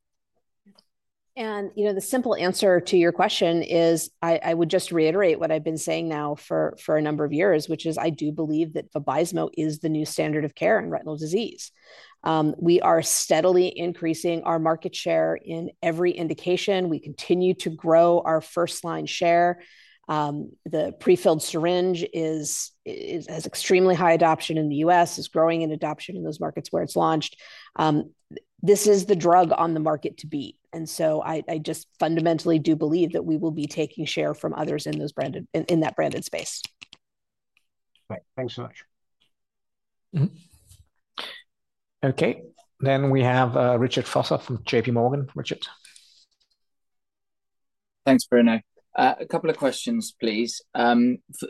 Speaker 4: The simple answer to your question is I would just reiterate what I've been saying now for a number of years, which is I do believe that Vabysmo is the new standard of care in retinal disease. We are steadily increasing our market share in every indication. We continue to grow our first-line share. The prefilled syringe has extremely high adoption in the U.S., is growing in adoption in those markets where it's launched. This is the drug on the market to beat. I just fundamentally do believe that we will be taking share from others in that branded space.
Speaker 14: Right. Thanks so much.
Speaker 6: Okay. We have Richard Vosser from JPMorgan. Richard?
Speaker 15: Thanks, Bruno. A couple of questions, please.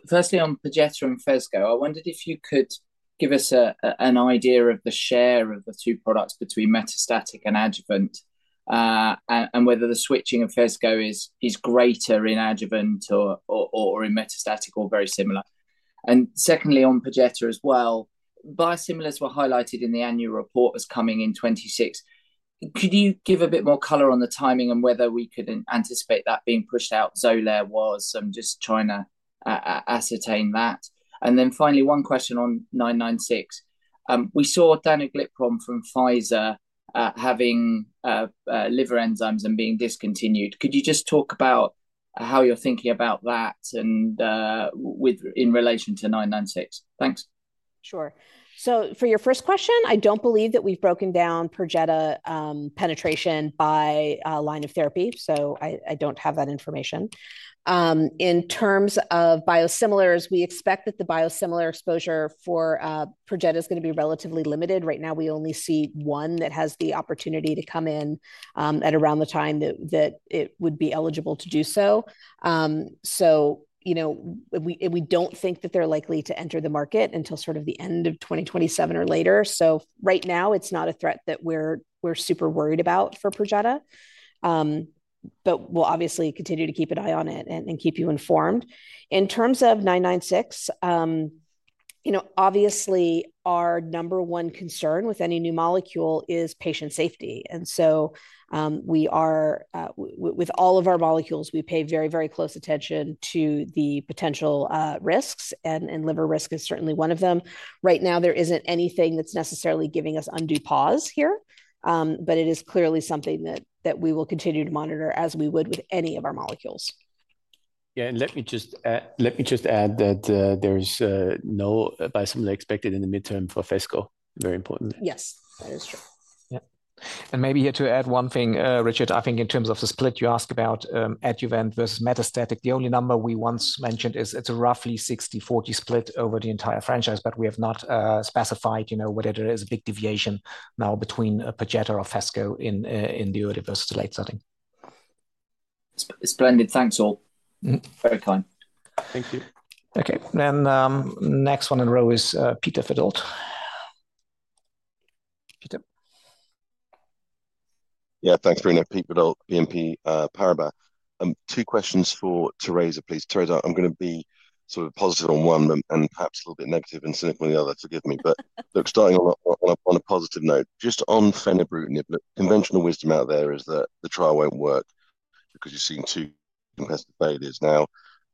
Speaker 15: Firstly, on Perjeta and Phesgo, I wondered if you could give us an idea of the share of the two products between metastatic and adjuvant and whether the switching of Phesgo is greater in adjuvant or in metastatic or very similar. Secondly, on Perjeta as well, biosimilars were highlighted in the annual report as coming in 2026. Could you give a bit more color on the timing and whether we could anticipate that being pushed out? Xolair was. I'm just trying to ascertain that. Finally, one question on 996. We saw danuglipron from Pfizer having liver enzymes and being discontinued. Could you just talk about how you're thinking about that in relation to 996? Thanks.
Speaker 4: Sure. For your first question, I don't believe that we've broken down Perjeta penetration by line of therapy. I don't have that information. In terms of biosimilars, we expect that the biosimilar exposure for Perjeta is going to be relatively limited. Right now, we only see one that has the opportunity to come in at around the time that it would be eligible to do so. We do not think that they're likely to enter the market until sort of the end of 2027 or later. Right now, it's not a threat that we're super worried about for Perjeta. We will obviously continue to keep an eye on it and keep you informed. In terms of 996, obviously, our number one concern with any new molecule is patient safety. With all of our molecules, we pay very, very close attention to the potential risks, and liver risk is certainly one of them. Right now, there isn't anything that's necessarily giving us undue pause here, but it is clearly something that we will continue to monitor as we would with any of our molecules.
Speaker 2: Yeah. Let me just add that there is no biosimilar expected in the midterm for Phesgo. Very important.
Speaker 4: Yes, that is true. Yeah.
Speaker 5: Maybe here to add one thing, Richard, I think in terms of the split you asked about adjuvant versus metastatic, the only number we once mentioned is it's a roughly 60/40 split over the entire franchise, but we have not specified whether there is a big deviation now between Perjeta or Phesgo in the early versus the late setting.
Speaker 15: Splendid. Thanks all. Very kind.
Speaker 2: Thank you.
Speaker 6: Okay. Next one in a row is Peter Verdult. Peter?
Speaker 16: Yeah, thanks, Bruno. Peter Verdult, BNP Paribas. Two questions for Teresa, please. Teresa, I'm going to be sort of positive on one and perhaps a little bit negative and cynical on the other, forgive me. Look, starting on a positive note, just on fenebrutinib, the conventional wisdom out there is that the trial won't work because you've seen two comparative failures.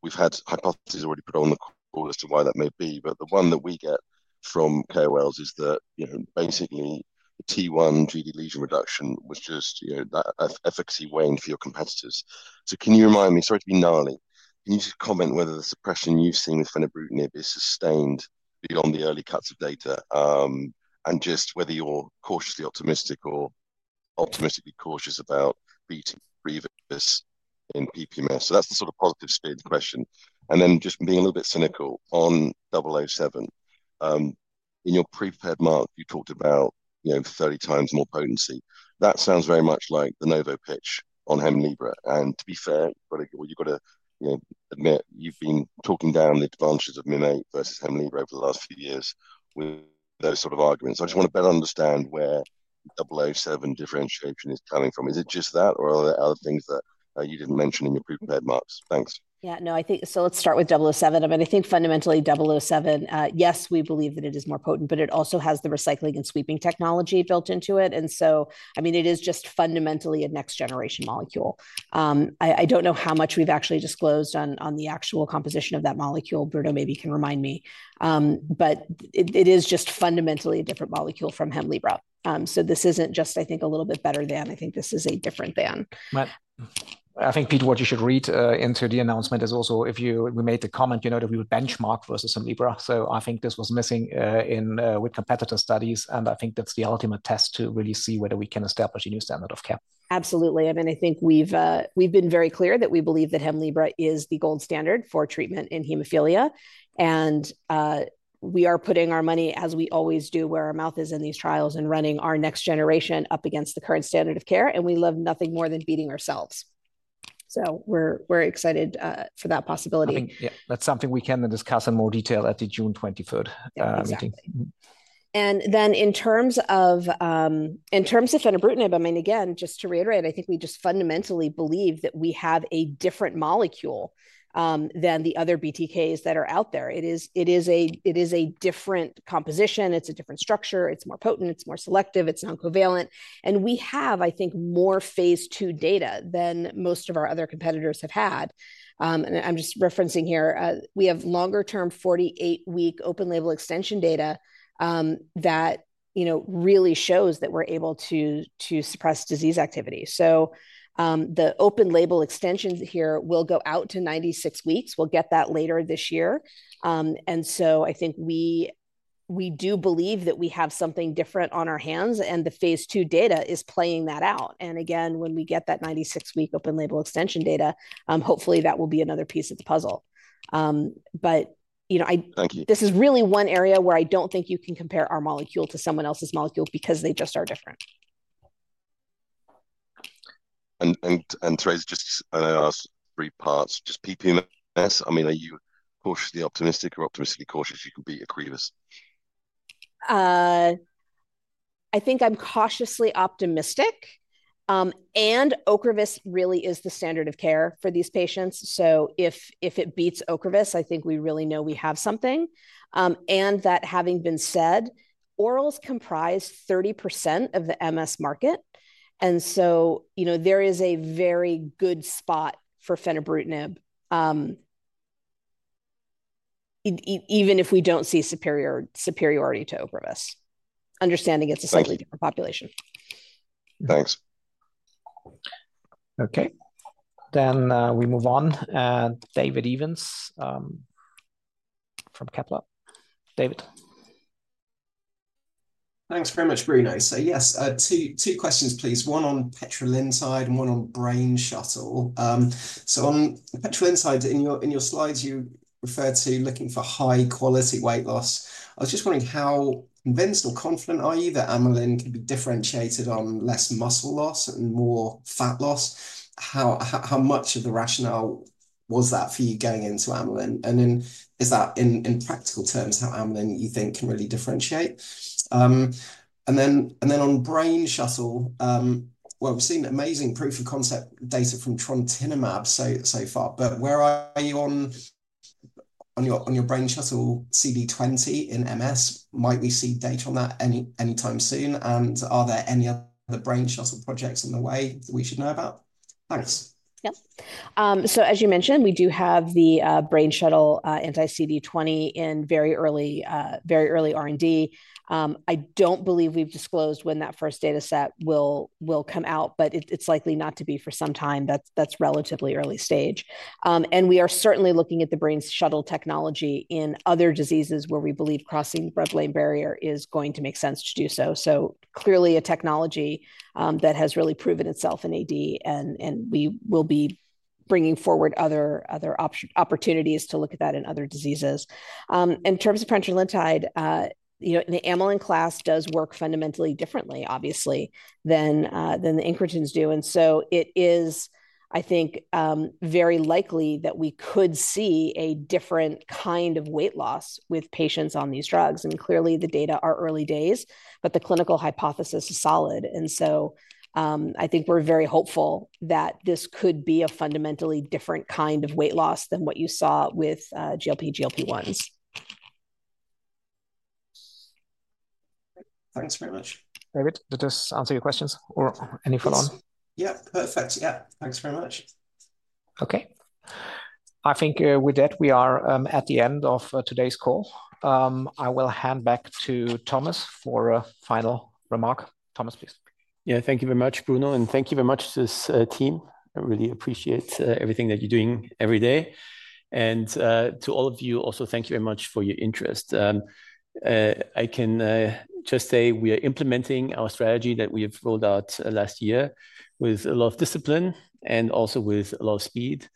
Speaker 16: We've had hypotheses already put on the call as to why that may be, but the one that we get from KOLs is that basically the T1D lesion reduction was just that efficacy waned for your competitors. Can you remind me, sorry to be gnarly, can you just comment whether the suppression you've seen with fenebrutinib is sustained beyond the early cuts of data and just whether you're cautiously optimistic or optimistically cautious about beating Ocrevus in PPMS? That's the sort of positive-spirited question. Just being a little bit cynical on 007. In your prepared mark, you talked about 30x more potency. That sounds very much like the Novo pitch on Hemlibra. And to be fair, you've got to admit you've been talking down the advantages of Mim8 versus Hemlibra over the last few years with those sort of arguments. I just want to better understand where 007 differentiation is coming from. Is it just that, or are there other things that you didn't mention in your prepared marks? Thanks.
Speaker 4: Yeah. No, I think so let's start with 007. I mean, I think fundamentally 007, yes, we believe that it is more potent, but it also has the recycling and sweeping technology built into it. And so, I mean, it is just fundamentally a next-generation molecule. I don't know how much we've actually disclosed on the actual composition of that molecule. Bruno maybe can remind me. It is just fundamentally a different molecule from Hemlibra. This is not just, I think, a little bit better than. I think this is a different than.
Speaker 6: I think, Peter, what you should read into the announcement is also if we made the comment that we would benchmark versus Hemlibra. I think this was missing with competitor studies, and I think that is the ultimate test to really see whether we can establish a new standard of care.
Speaker 4: Absolutely. I mean, I think we have been very clear that we believe that Hemlibra is the gold standard for treatment in hemophilia. We are putting our money, as we always do, where our mouth is in these trials and running our next generation up against the current standard of care. We love nothing more than beating ourselves. We are excited for that possibility.
Speaker 6: Yeah, that's something we can then discuss in more detail at the June 23rd meeting.
Speaker 4: Exactly. In terms of fenebrutinib, I mean, again, just to reiterate, I think we just fundamentally believe that we have a different molecule than the other BTK inhibitors that are out there. It is a different composition. It's a different structure. It's more potent. It's more selective. It's non-covalent. I think we have more phase II data than most of our other competitors have had. I'm just referencing here, we have longer-term 48-week open-label extension data that really shows that we're able to suppress disease activity. The open-label extensions here will go out to 96 weeks. We'll get that later this year. I think we do believe that we have something different on our hands, and the phase II data is playing that out. Again, when we get that 96-week open-label extension data, hopefully that will be another piece of the puzzle. This is really one area where I do not think you can compare our molecule to someone else's molecule because they just are different.
Speaker 16: Teresa, just I know I asked three parts. Just PPMS, I mean, are you cautiously optimistic or optimistically cautious you can beat Ocrevus?
Speaker 4: I think I am cautiously optimistic. Ocrevus really is the standard of care for these patients. If it beats Ocrevus, I think we really know we have something. That having been said, orals comprise 30% of the MS market. There is a very good spot for fenebrutinib, even if we do not see superiority to Ocrevus, understanding it is a slightly different population.
Speaker 16: Thanks.
Speaker 6: Okay. We move on. David Evans from Kepler. David?
Speaker 17: Thanks very much, Bruno. Yes, two questions, please. One on petrelintide and one on Brainshuttle. On petrelintide, in your slides, you refer to looking for high-quality weight loss. I was just wondering how convinced or confident are you that amylin can be differentiated on less muscle loss and more fat loss? How much of the rationale was that for you going into amylin? Is that in practical terms how amylin you think can really differentiate? On Brainshuttle, we've seen amazing proof of concept data from trontinemab so far, but where are you on your Brainshuttle CD20 in MS? Might we see data on that anytime soon? Are there any other Brainshuttle projects in the way that we should know about? Thanks.
Speaker 4: Yep. As you mentioned, we do have the Brainshuttle anti-CD20 in very early R&D. I don't believe we've disclosed when that first dataset will come out, but it's likely not to be for some time. That's relatively early stage. We are certainly looking at the brain shuttle technology in other diseases where we believe crossing the blood-brain barrier is going to make sense to do so. Clearly, a technology that has really proven itself in AD, we will be bringing forward other opportunities to look at that in other diseases. In terms of petrelintide, the amylin class does work fundamentally differently, obviously, than the incretins do. It is, I think, very likely that we could see a different kind of weight loss with patients on these drugs. Clearly, the data are early days, but the clinical hypothesis is solid. I think we are very hopeful that this could be a fundamentally different kind of weight loss than what you saw with GLP-1s.
Speaker 17: Thanks very much.
Speaker 6: David, did this answer your questions or any follow-on?
Speaker 17: Yeah, perfect. Yeah. Thanks very much.
Speaker 6: Okay. I think with that, we are at the end of today's call. I will hand back to Thomas for a final remark. Thomas, please.
Speaker 2: Yeah, thank you very much, Bruno, and thank you very much to this team. I really appreciate everything that you are doing every day. And to all of you, also thank you very much for your interest. I can just say we are implementing our strategy that we have rolled out last year with a lot of discipline and also with a lot of speed,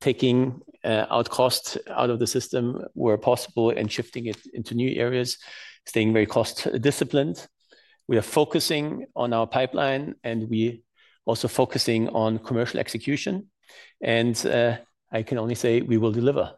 Speaker 2: taking out costs out of the system where possible and shifting it into new areas, staying very cost-disciplined. We are focusing on our pipeline, and we are also focusing on commercial execution. I can only say we will deliver.